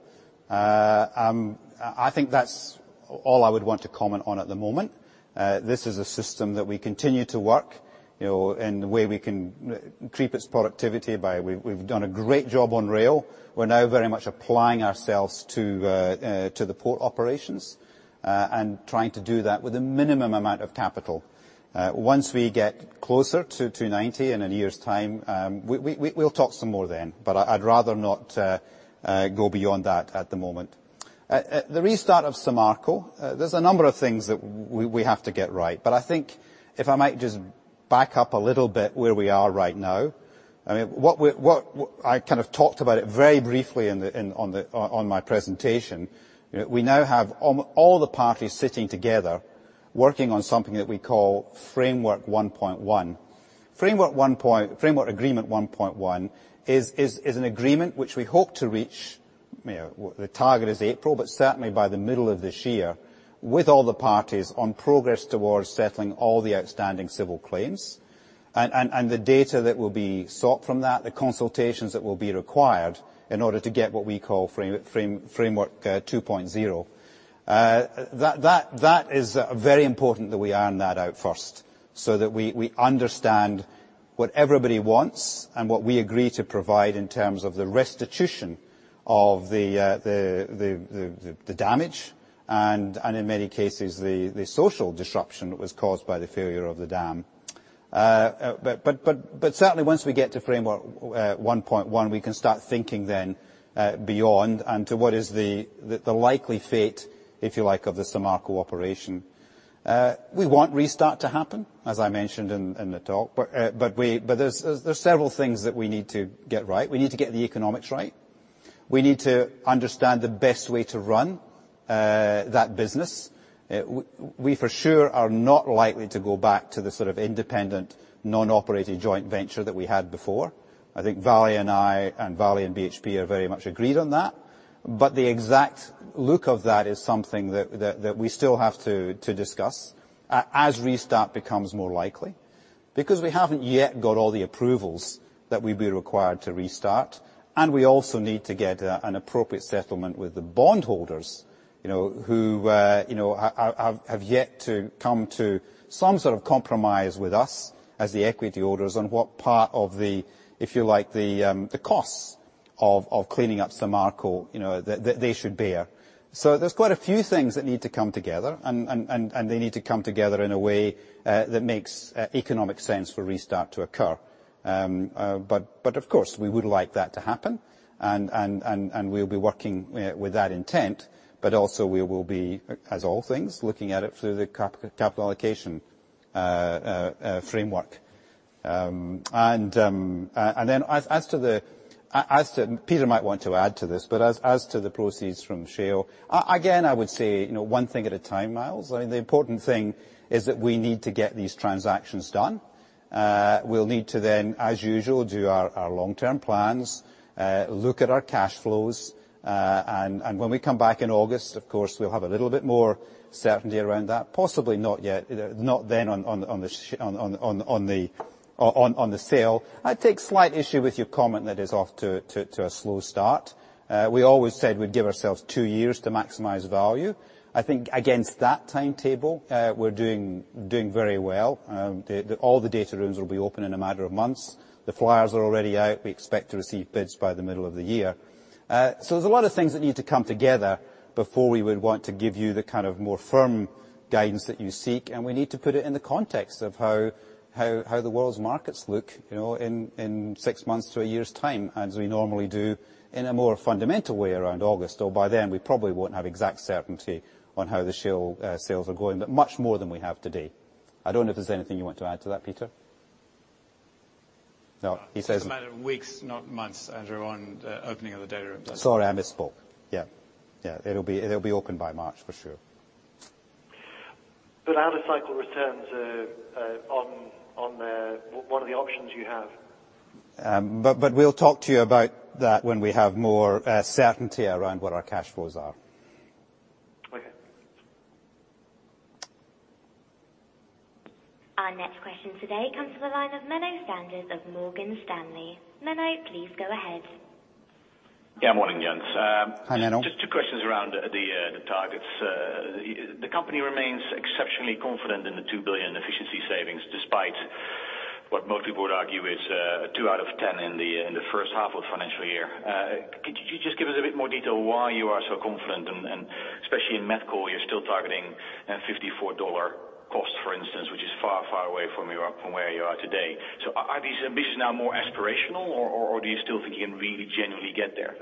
I think that's all I would want to comment on at the moment. This is a system that we continue to work, the way we can creep its productivity by, we've done a great job on rail. We're now very much applying ourselves to the port operations, trying to do that with a minimum amount of capital. Once we get closer to 290 in a year's time, we'll talk some more then. I'd rather not go beyond that at the moment. The restart of Samarco, there's a number of things that we have to get right. I think if I might just back up a little bit where we are right now. I kind of talked about it very briefly on my presentation. We now have all the parties sitting together working on something that we call Framework 1.1. Framework Agreement 1.1 is an agreement which we hope to reach, the target is April, certainly by the middle of this year, with all the parties on progress towards settling all the outstanding civil claims, the data that will be sought from that, the consultations that will be required in order to get what we call Framework 2.0. That is very important that we iron that out first, so that we understand what everybody wants and what we agree to provide in terms of the restitution of the damage, and in many cases, the social disruption that was caused by the failure of the dam. Certainly once we get to Framework 1.1, we can start thinking then beyond and to what is the likely fate, if you like, of the Samarco operation. We want restart to happen, as I mentioned in the talk, but there's several things that we need to get right. We need to get the economics right. We need to understand the best way to run that business. We, for sure, are not likely to go back to the sort of independent non-operated joint venture that we had before. I think Vale and I, and Vale and BHP are very much agreed on that. The exact look of that is something that we still have to discuss as restart becomes more likely. We haven't yet got all the approvals that we'd be required to restart, and we also need to get an appropriate settlement with the bond holders, who have yet to come to some sort of compromise with us as the equity holders on what part of the, if you like, the costs of cleaning up Samarco, that they should bear. There's quite a few things that need to come together, and they need to come together in a way that makes economic sense for restart to occur. Of course, we would like that to happen, and we'll be working with that intent. Also we will be, as all things, looking at it through the capital allocation framework. Peter might want to add to this, but as to the proceeds from shale, again, I would say one thing at a time, Myles. The important thing is that we need to get these transactions done. We'll need to then, as usual, do our long-term plans, look at our cash flows, and when we come back in August, of course, we'll have a little bit more certainty around that. Possibly not then on the sale. I take slight issue with your comment that it's off to a slow start. We always said we'd give ourselves two years to maximize value. I think against that timetable, we're doing very well. All the data rooms will be open in a matter of months. The flyers are already out. We expect to receive bids by the middle of the year. There's a lot of things that need to come together before we would want to give you the more firm guidance that you seek, and we need to put it in the context of how the world's markets look in six months to a year's time as we normally do in a more fundamental way around August. Though by then, we probably won't have exact certainty on how the shale sales are going, but much more than we have today. I don't know if there's anything you want to add to that, Peter? No. It's a matter of weeks, not months, Andrew, on opening of the data rooms. Sorry, I misspoke. Yeah. It'll be open by March for sure. Out of cycle returns on what are the options you have? We'll talk to you about that when we have more certainty around what our cash flows are. Okay. Our next question today comes from the line of Menno Sanderse of Morgan Stanley. Menno, please go ahead. Yeah, morning, gents. Hi, Menno. Just two questions around the targets. The company remains exceptionally confident in the $2 billion efficiency savings despite what most people would argue is a two out of 10 in the first half of financial year. Could you just give us a bit more detail why you are so confident? Especially in met coal, you're still targeting $54 cost, for instance, which is far away from where you are today. Are these ambitions now more aspirational, or do you still think you can really genuinely get there?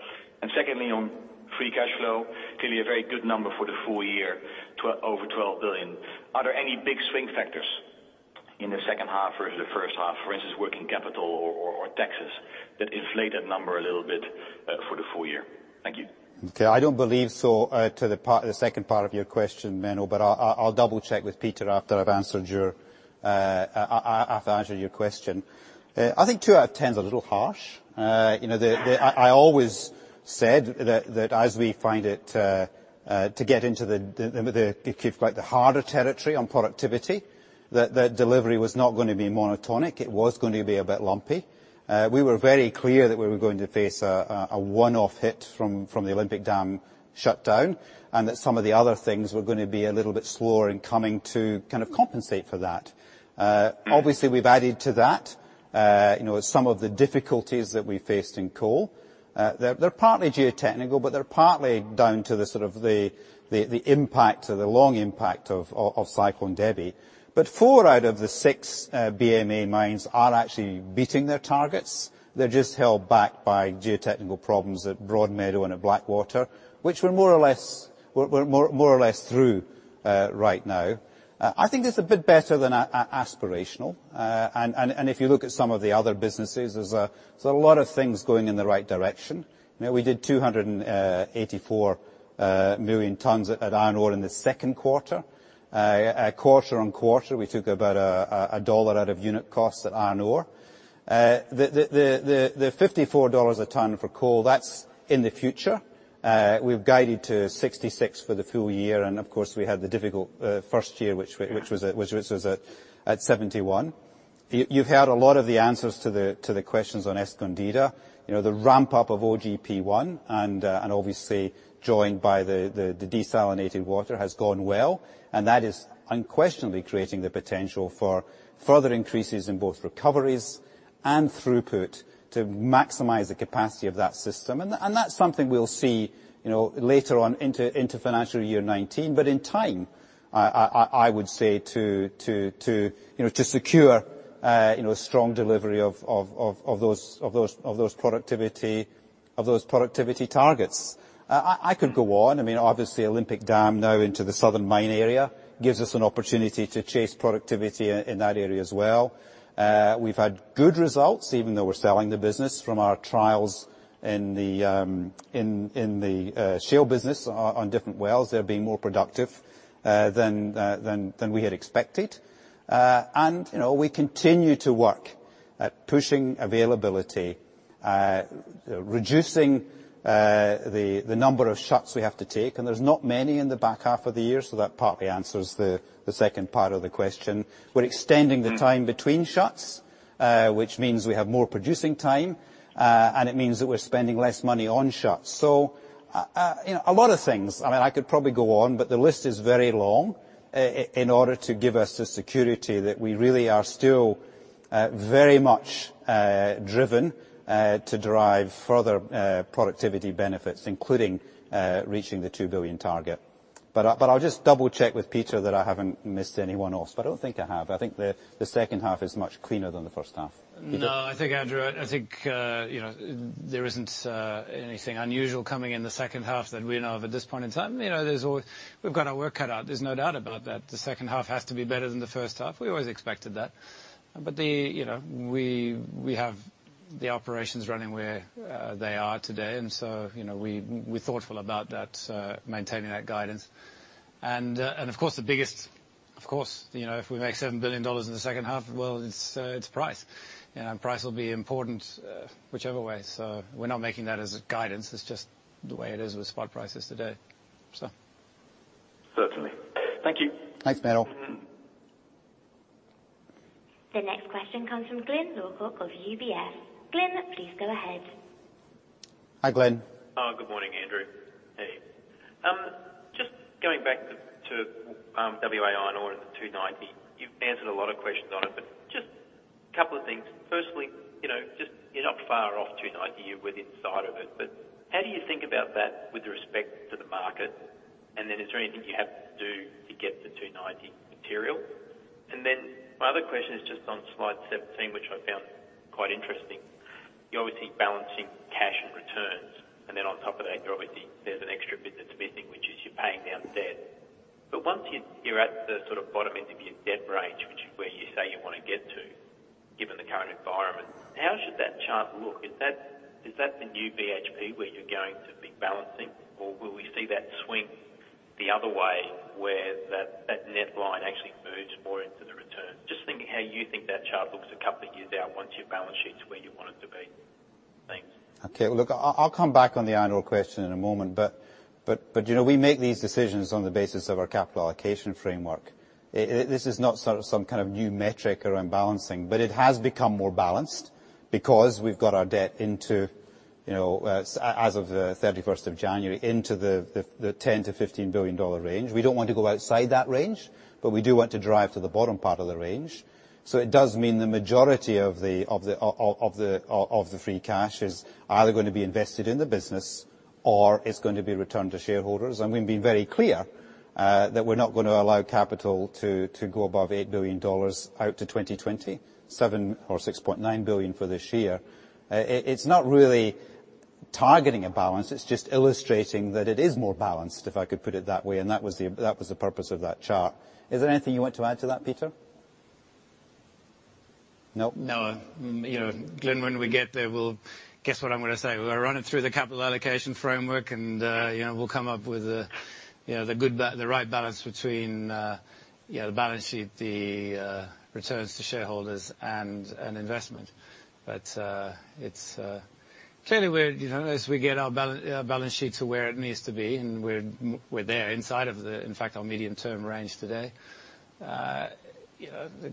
Secondly, on free cash flow, clearly a very good number for the full year, over $12 billion. Are there any big swing factors in the second half versus the first half, for instance, working capital or taxes, that inflate that number a little bit for the full year? Thank you. Okay, I don't believe so to the second part of your question, Menno, but I'll double-check with Peter after I answer your question. I think two out of 10 is a little harsh. I always said that as we find to get into the, if you like, the harder territory on productivity, that delivery was not going to be monotonic. It was going to be a bit lumpy. We were very clear that we were going to face a one-off hit from the Olympic Dam shutdown, and that some of the other things were going to be a little bit slower in coming to compensate for that. Obviously, we've added to that some of the difficulties that we faced in coal. They're partly geotechnical, but they're partly down to the impact or the long impact of Cyclone Debbie. Four out of the six BMA mines are actually beating their targets. They're just held back by geotechnical problems at Broadmeadow and at Blackwater, which we're more or less through right now. I think it's a bit better than aspirational. If you look at some of the other businesses, there's a lot of things going in the right direction. We did 284 million tons at iron ore in the second quarter. Quarter-on-quarter, we took about $1 out of unit costs at iron ore. The $54 a ton for coal, that's in the future. We've guided to 66 for the full year, and of course, we had the difficult first year, which was at 71. You've heard a lot of the answers to the questions on Escondida. The ramp-up of OGP1, and obviously joined by the desalinated water, has gone well, and that is unquestionably creating the potential for further increases in both recoveries and throughput to maximize the capacity of that system. That's something we'll see later on into FY 2019, but in time, I would say, to secure a strong delivery of those productivity targets I could go on. Obviously, Olympic Dam now into the Southern Main area gives us an opportunity to chase productivity in that area as well. We've had good results, even though we're selling the business from our trials in the shale business on different wells. They're being more productive than we had expected. We continue to work at pushing availability, reducing the number of shuts we have to take. There's not many in the back half of the year, that partly answers the second part of the question. We're extending the time between shuts, which means we have more producing time, and it means that we're spending less money on shuts. A lot of things. I could probably go on, but the list is very long in order to give us the security that we really are still very much driven to derive further productivity benefits, including reaching the 2 billion target. I'll just double-check with Peter that I haven't missed anyone else, but I don't think I have. I think the second half is much cleaner than the first half. Peter? I think, Andrew, there isn't anything unusual coming in the second half that we know of at this point in time. We've got our work cut out. There's no doubt about that. The second half has to be better than the first half. We always expected that. We have the operations running where they are today, we're thoughtful about maintaining that guidance. Of course, if we make $7 billion in the second half, well, it's price. Price will be important whichever way. We're not making that as a guidance. It's just the way it is with spot prices today. Certainly. Thank you. Thanks, Menno. The next question comes from Glyn Lawcock of UBS. Glyn, please go ahead. Hi, Glyn. Good morning, Andrew. Hey. Just going back to WA iron ore and the 290. You've answered a lot of questions on it, just a couple of things. Firstly, you're not far off 290. You're within sight of it, but how do you think about that with respect to the market? Is there anything you have to do to get the 290 material? My other question is just on slide 17, which I found quite interesting. You're obviously balancing cash and returns, and on top of that, there's an extra bit that's missing, which is you're paying down debt. Once you're at the sort of bottom end of your debt range, which is where you say you want to get to, given the current environment, how should that chart look? Is that the new BHP where you're going to be balancing or will we see that swing the other way where that net line actually moves more into the return? Just thinking how you think that chart looks a couple of years out once your balance sheet's where you want it to be. Thanks. Okay. Look, I'll come back on the iron ore question in a moment, we make these decisions on the basis of our capital allocation framework. This is not some kind of new metric around balancing, it has become more balanced because we've got our debt, as of the 31st of January, into the $10 billion-$15 billion range. We don't want to go outside that range, we do want to drive to the bottom part of the range. It does mean the majority of the free cash is either going to be invested in the business or it's going to be returned to shareholders. We've been very clear that we're not going to allow capital to go above $8 billion out to 2027 or $6.9 billion for this year. It's not really targeting a balance. It's just illustrating that it is more balanced, if I could put it that way, and that was the purpose of that chart. Is there anything you want to add to that, Peter? No. No. Glyn, when we get there, guess what I'm going to say? We'll run it through the capital allocation framework, we'll come up with the right balance between the balance sheet, the returns to shareholders, and investment. Clearly as we get our balance sheet to where it needs to be, we're there inside of the, in fact, our medium-term range today, the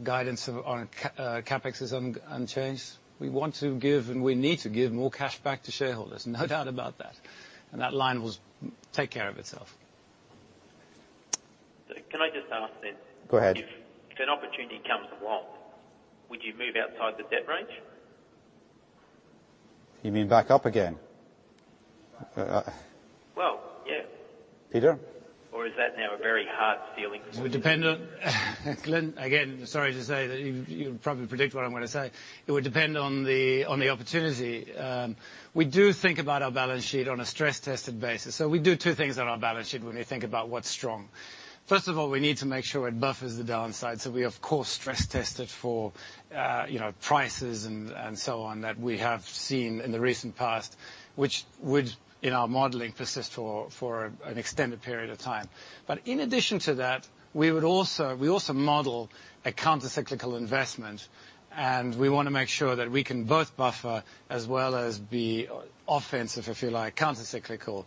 guidance on CapEx is unchanged. We want to give, we need to give more cash back to shareholders. No doubt about that. That line will take care of itself. Can I just ask then? Go ahead If an opportunity comes along, would you move outside the debt range? You mean back up again? Well, yeah. Peter? Is that now a very hard ceiling for you? Glyn, again, sorry to say that you probably predict what I'm going to say. It would depend on the opportunity. We do think about our balance sheet on a stress-tested basis. We do two things on our balance sheet when we think about what's strong. First of all, we need to make sure it buffers the downside. We, of course, stress-test it for prices and so on that we have seen in the recent past, which would, in our modeling, persist for an extended period of time. In addition to that, we also model a countercyclical investment, and we want to make sure that we can both buffer as well as be offensive, if you like, countercyclical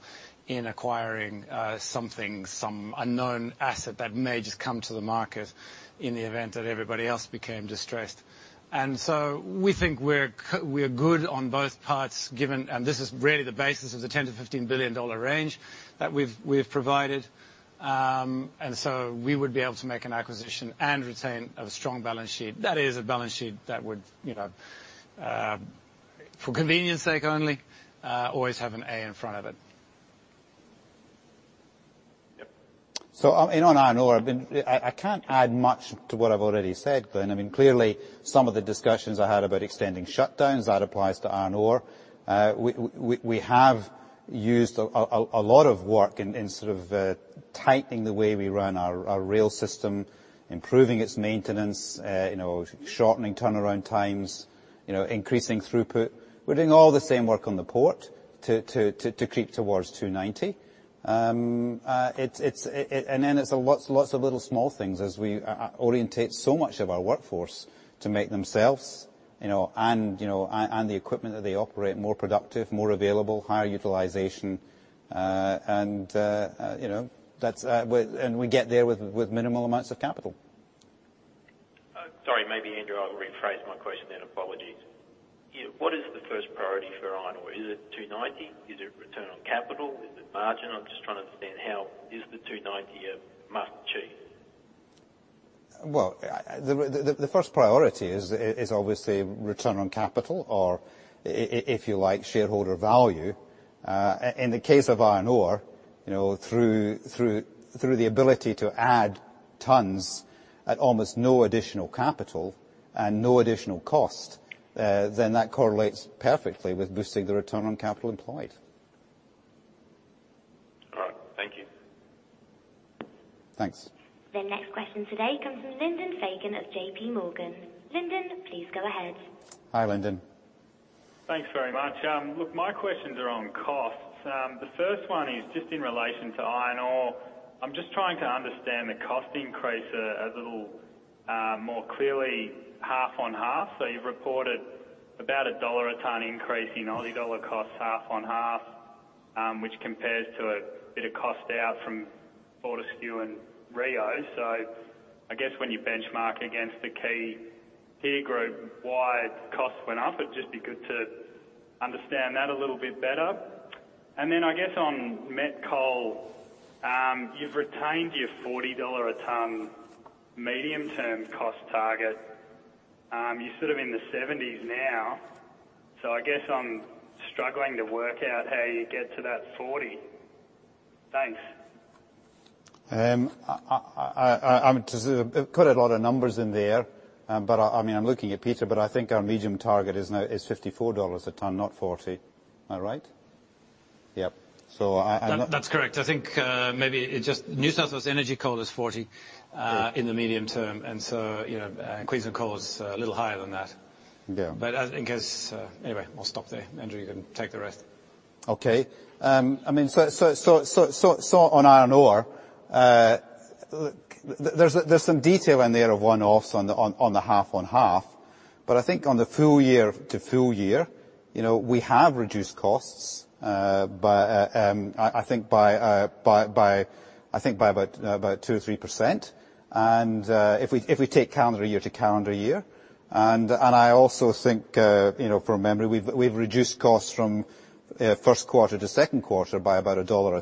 in acquiring something, some unknown asset that may just come to the market in the event that everybody else became distressed. We think we're good on both parts. This is really the basis of the $10 billion-$15 billion range that we've provided. We would be able to make an acquisition and retain a strong balance sheet. That is a balance sheet that would, for convenience sake only, always have an A in front of it. Yep. On iron ore, I can't add much to what I've already said, Glyn. Clearly, some of the discussions I had about extending shutdowns, that applies to iron ore. We have used a lot of work in tightening the way we run our rail system, improving its maintenance, shortening turnaround times, increasing throughput. We're doing all the same work on the port to creep towards 290. It's lots of little small things as we orientate so much of our workforce to make themselves and the equipment that they operate more productive, more available, higher utilization. We get there with minimal amounts of capital. Sorry. Maybe, Andrew, I'll rephrase my question then. Apologies. What is the first priority for iron ore? Is it 290? Is it return on capital? Is it margin? I'm just trying to understand how is the 290 a must achieve. Well, the first priority is obviously return on capital or, if you like, shareholder value. In the case of iron ore, through the ability to add tons at almost no additional capital and no additional cost, then that correlates perfectly with boosting the return on capital employed. All right. Thank you. Thanks. The next question today comes from Lyndon Fagan of J.P. Morgan. Lyndon, please go ahead. Hi, Lyndon. Thanks very much. Look, my questions are on costs. The first one is just in relation to iron ore. I'm just trying to understand the cost increase a little more clearly half on half. You've reported about AUD 1 a ton increase in Aussie dollar costs half on half, which compares to a bit of cost out from Fortescue and Rio. I guess when you benchmark against the key peer group-wide costs went up, it'd just be good to understand that a little bit better. I guess on met coal, you've retained your $40 a ton medium-term cost target. You're sort of in the 70s now, I guess I'm struggling to work out how you get to that 40. Thanks. There are quite a lot of numbers in there. I'm looking at Peter, but I think our medium target is $54 a ton, not 40. Am I right? Yep. That's correct. I think maybe New South Wales Energy Coal is 40. Yeah in the medium term. Queensland Coal is a little higher than that. Yeah. I guess, anyway, I'll stop there. Andrew, you can take the rest. Okay. On Iron Ore, there's some detail in there of one-offs on the half on half. I think on the full year to full year, we have reduced costs, I think by about 2% or 3%. If we take calendar year to calendar year, I also think, from memory, we've reduced costs from first quarter to second quarter by about $1 a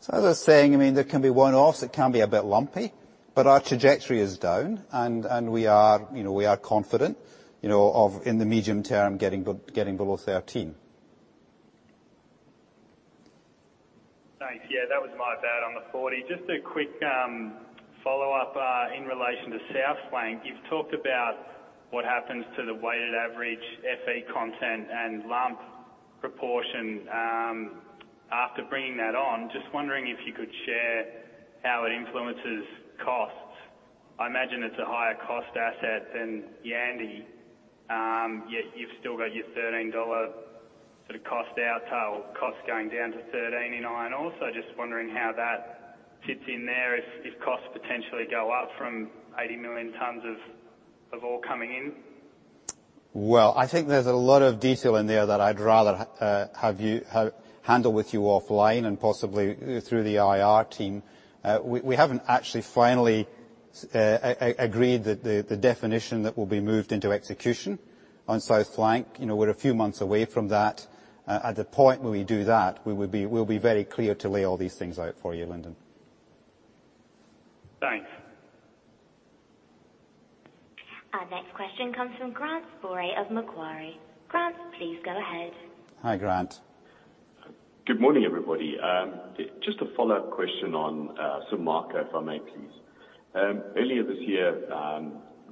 ton. As I was saying, there can be one-offs, it can be a bit lumpy, but our trajectory is down and we are confident of, in the medium term, getting below $13. Thanks. Yeah, that was my bad on the 40. Just a quick follow-up in relation to South Flank. You've talked about what happens to the weighted average Fe content and lump proportion after bringing that on. Just wondering if you could share how it influences costs. I imagine it's a higher cost asset than Yandi. Yet you've still got your $13 sort of cost out or cost going down to $13 in Iron Ore. Just wondering how that sits in there if costs potentially go up from 80 million tons of ore coming in. Well, I think there's a lot of detail in there that I'd rather handle with you offline and possibly through the IR team. We haven't actually finally agreed the definition that will be moved into execution on South Flank. We're a few months away from that. At the point when we do that, we'll be very clear to lay all these things out for you, Lyndon. Thanks. Our next question comes from Grant Sporre of Macquarie. Grant, please go ahead. Hi, Grant. Good morning, everybody. Just a follow-up question on Samarco, if I may please. Earlier this year,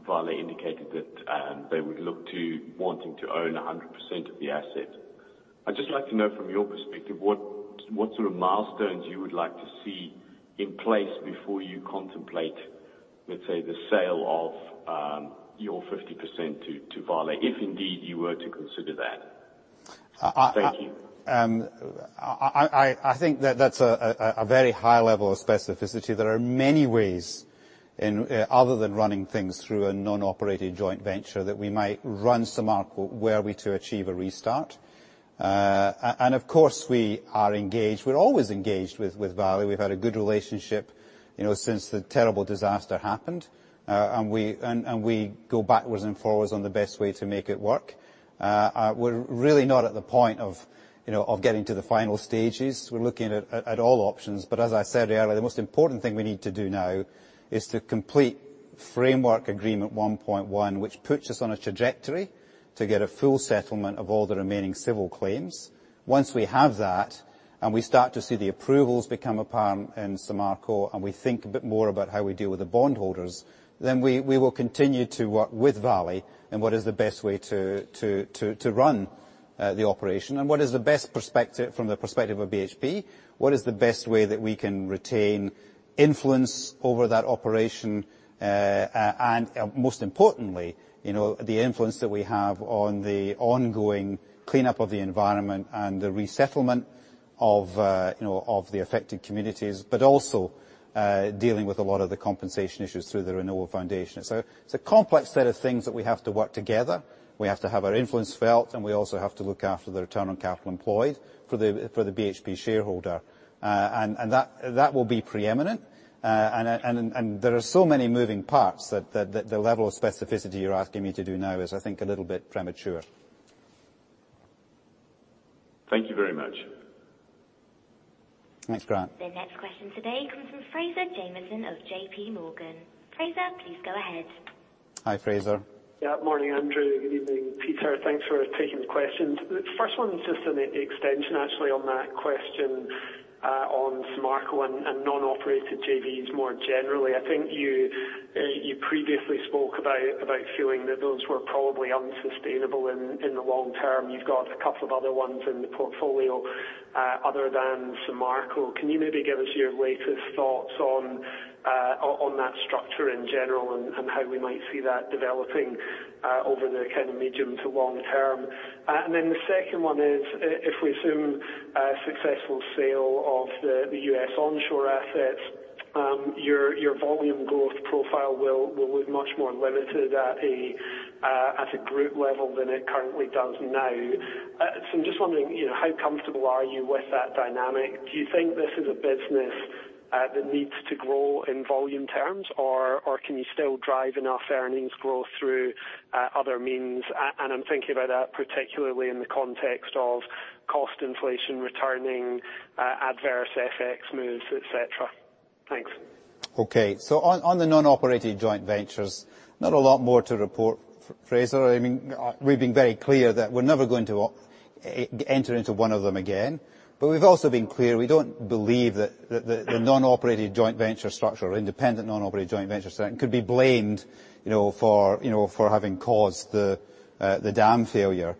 Vale indicated that they would look to wanting to own 100% of the asset. I'd just like to know from your perspective what sort of milestones you would like to see in place before you contemplate, let's say, the sale of your 50% to Vale, if indeed you were to consider that. Thank you. I think that that's a very high level of specificity. There are many ways other than running things through a non-operated joint venture that we might run Samarco, were we to achieve a restart. Of course, we are engaged. We're always engaged with Vale. We've had a good relationship since the terrible disaster happened. We go backwards and forwards on the best way to make it work. We're really not at the point of getting to the final stages. We're looking at all options. As I said earlier, the most important thing we need to do now is to complete Framework Agreement 1.1, which puts us on a trajectory to get a full settlement of all the remaining civil claims. Once we have that, we start to see the approvals become upon in Samarco, we think a bit more about how we deal with the bondholders, then we will continue to work with Vale on what is the best way to run the operation. What is the best perspective from the perspective of BHP? What is the best way that we can retain influence over that operation? Most importantly, the influence that we have on the ongoing cleanup of the environment and the resettlement of the affected communities. Also, dealing with a lot of the compensation issues through the Renova Foundation. It's a complex set of things that we have to work together. We have to have our influence felt, and we also have to look after the return on capital employed for the BHP shareholder. That will be preeminent. There are so many moving parts that the level of specificity you're asking me to do now is, I think, a little bit premature. Thank you very much. Thanks, Grant. The next question today comes from Fraser Jamieson of JPMorgan. Fraser, please go ahead. Hi, Fraser. Yeah, morning, Andrew. Good evening, Peter. Thanks for taking the questions. The first one's just an extension, actually, on that question on Samarco and non-operated JVs more generally. I think you previously spoke about feeling that those were probably unsustainable in the long term. You've got a couple of other ones in the portfolio other than Samarco. Can you maybe give us your latest thoughts on that structure in general and how we might see that developing over the medium to long term? Then the second one is, if we assume a successful sale of the U.S. onshore assets, your volume growth profile will look much more limited at a group level than it currently does now. I'm just wondering, how comfortable are you with that dynamic? Do you think this is a business that needs to grow in volume terms, or can you still drive enough earnings growth through other means? I'm thinking about that particularly in the context of cost inflation returning, adverse FX moves, et cetera. Thanks. On the non-operated joint ventures, not a lot more to report, Fraser. We've been very clear that we're never going to enter into one of them again. We've also been clear we don't believe that the non-operated joint venture structure, independent non-operated joint venture structure, could be blamed for having caused the dam failure.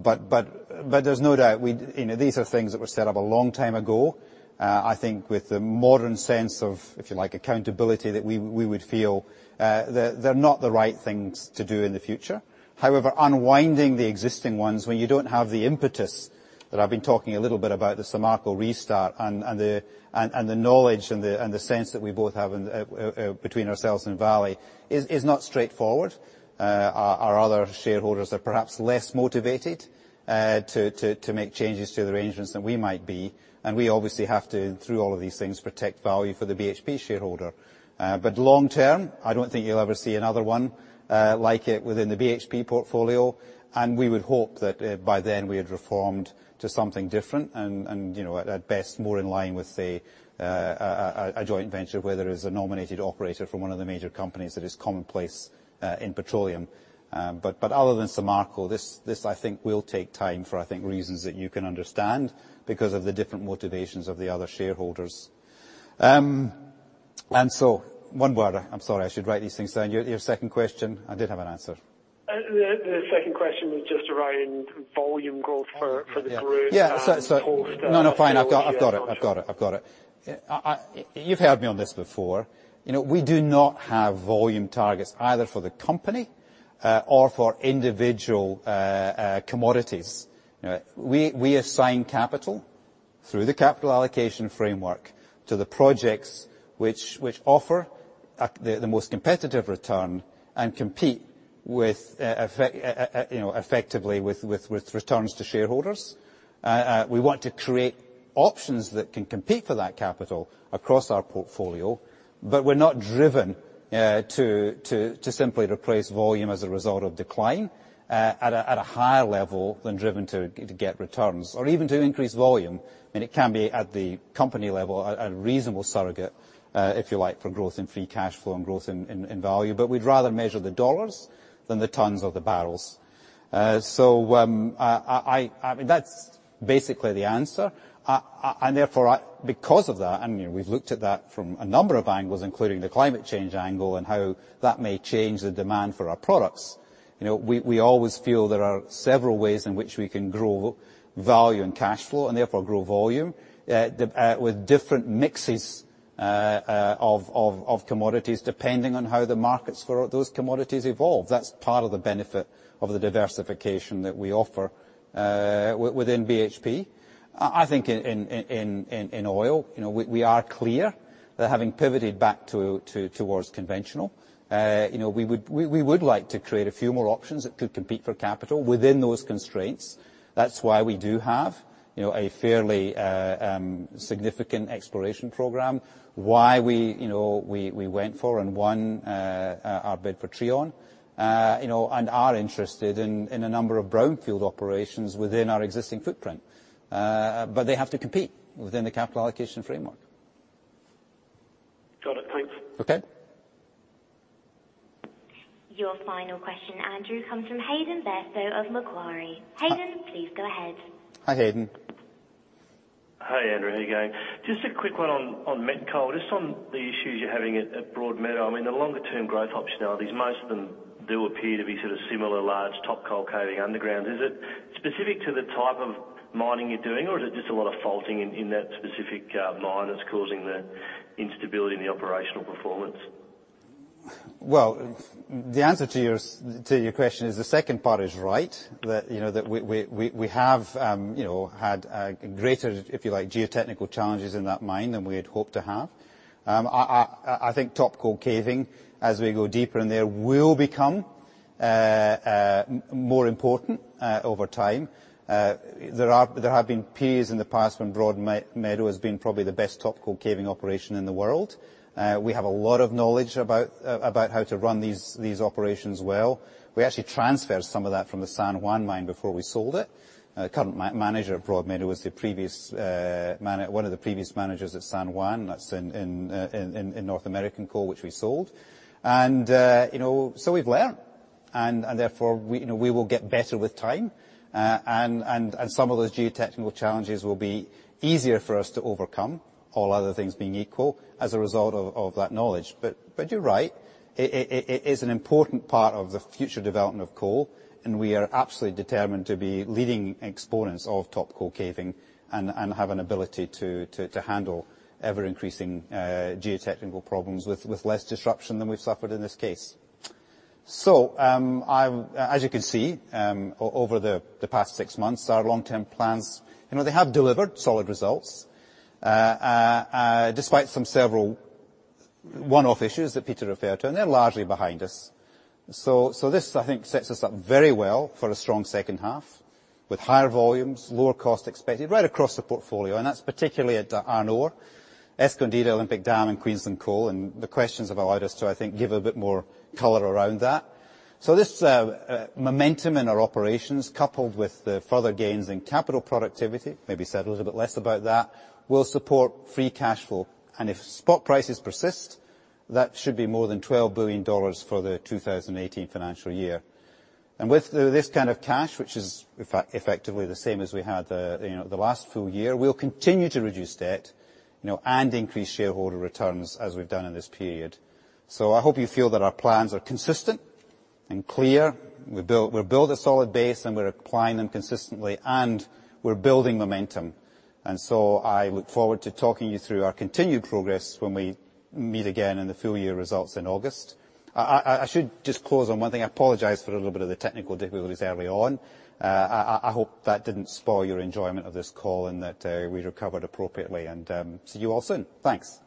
There's no doubt, these are things that were set up a long time ago. I think with the modern sense of, if you like, accountability, that we would feel they're not the right things to do in the future. However, unwinding the existing ones when you don't have the impetus that I've been talking a little bit about the Samarco restart and the knowledge and the sense that we both have between ourselves and Vale is not straightforward. Our other shareholders are perhaps less motivated to make changes to the arrangements than we might be. We obviously have to, through all of these things, protect value for the BHP shareholder. Long term, I don't think you'll ever see another one like it within the BHP portfolio. We would hope that by then we had reformed to something different and, at best, more in line with, say, a joint venture where there is a nominated operator from one of the major companies that is commonplace in petroleum. Other than Samarco, this I think, will take time for reasons that you can understand because of the different motivations of the other shareholders. One word, I'm sorry, I should write these things down. Your second question, I did have an answer. The second question was just around volume growth for the group- Yeah post- No, fine. I've got it. You've heard me on this before. We do not have volume targets either for the company or for individual commodities. We assign capital through the capital allocation framework to the projects which offer the most competitive return and compete effectively with returns to shareholders. We want to create options that can compete for that capital across our portfolio, but we're not driven to simply replace volume as a result of decline at a higher level than driven to get returns or even to increase volume. It can be, at the company level, a reasonable surrogate, if you like, for growth in free cash flow and growth in value. We'd rather measure the dollars than the tons or the barrels. That's basically the answer. Because of that, and we've looked at that from a number of angles, including the climate change angle and how that may change the demand for our products. We always feel there are several ways in which we can grow value and cash flow, and therefore grow volume, with different mixes of commodities, depending on how the markets for those commodities evolve. That's part of the benefit of the diversification that we offer within BHP. I think in oil, we are clear that having pivoted back towards conventional, we would like to create a few more options that could compete for capital within those constraints. That's why we do have a fairly significant exploration program. Why we went for and won our bid for Trion, and are interested in a number of brownfield operations within our existing footprint. They have to compete within the capital allocation framework. Got it. Thanks. Okay. Your final question, Andrew, comes from Hayden Bairstow of Macquarie. Hayden, please go ahead. Hi, Hayden. Hi, Andrew. How you going? Just a quick one on met coal. Just on the issues you're having at Broadmeadow, I mean, the longer term growth optionalities, most of them do appear to be sort of similar large block cave caving underground. Is it specific to the type of mining you're doing or is it just a lot of faulting in that specific mine that's causing the instability in the operational performance? The answer to your question is the second part is right. We have had greater, if you like, geotechnical challenges in that mine than we had hoped to have. I think top coal caving, as we go deeper in there, will become more important, over time. There have been periods in the past when Broadmeadow has been probably the best top coal caving operation in the world. We have a lot of knowledge about how to run these operations well. We actually transferred some of that from the San Juan mine before we sold it. Current manager at Broadmeadow is one of the previous managers at San Juan, that's in North American Coal, which we sold. We've learned, and therefore we will get better with time. Some of those geotechnical challenges will be easier for us to overcome, all other things being equal, as a result of that knowledge. You're right, it is an important part of the future development of coal, and we are absolutely determined to be leading exponents of top coal caving and have an ability to handle ever-increasing geotechnical problems with less disruption than we've suffered in this case. As you can see, over the past six months, our long-term plans have delivered solid results, despite some several one-off issues that Peter referred to, and they're largely behind us. This, I think, sets us up very well for a strong second half with higher volumes, lower cost expected right across the portfolio, and that's particularly at Iron Ore, Escondida, Olympic Dam and Queensland Coal. The questions have allowed us to, I think, give a bit more color around that. This momentum in our operations, coupled with the further gains in capital productivity, maybe said a little bit less about that, will support free cash flow. If spot prices persist, that should be more than $12 billion for the 2018 financial year. With this kind of cash, which is effectively the same as we had the last full year, we'll continue to reduce debt and increase shareholder returns as we've done in this period. I hope you feel that our plans are consistent and clear. We built a solid base and we're applying them consistently, and we're building momentum. I look forward to talking you through our continued progress when we meet again in the full year results in August. I should just close on one thing. I apologize for a little bit of the technical difficulties early on. I hope that didn't spoil your enjoyment of this call and that we recovered appropriately and see you all soon. Thanks.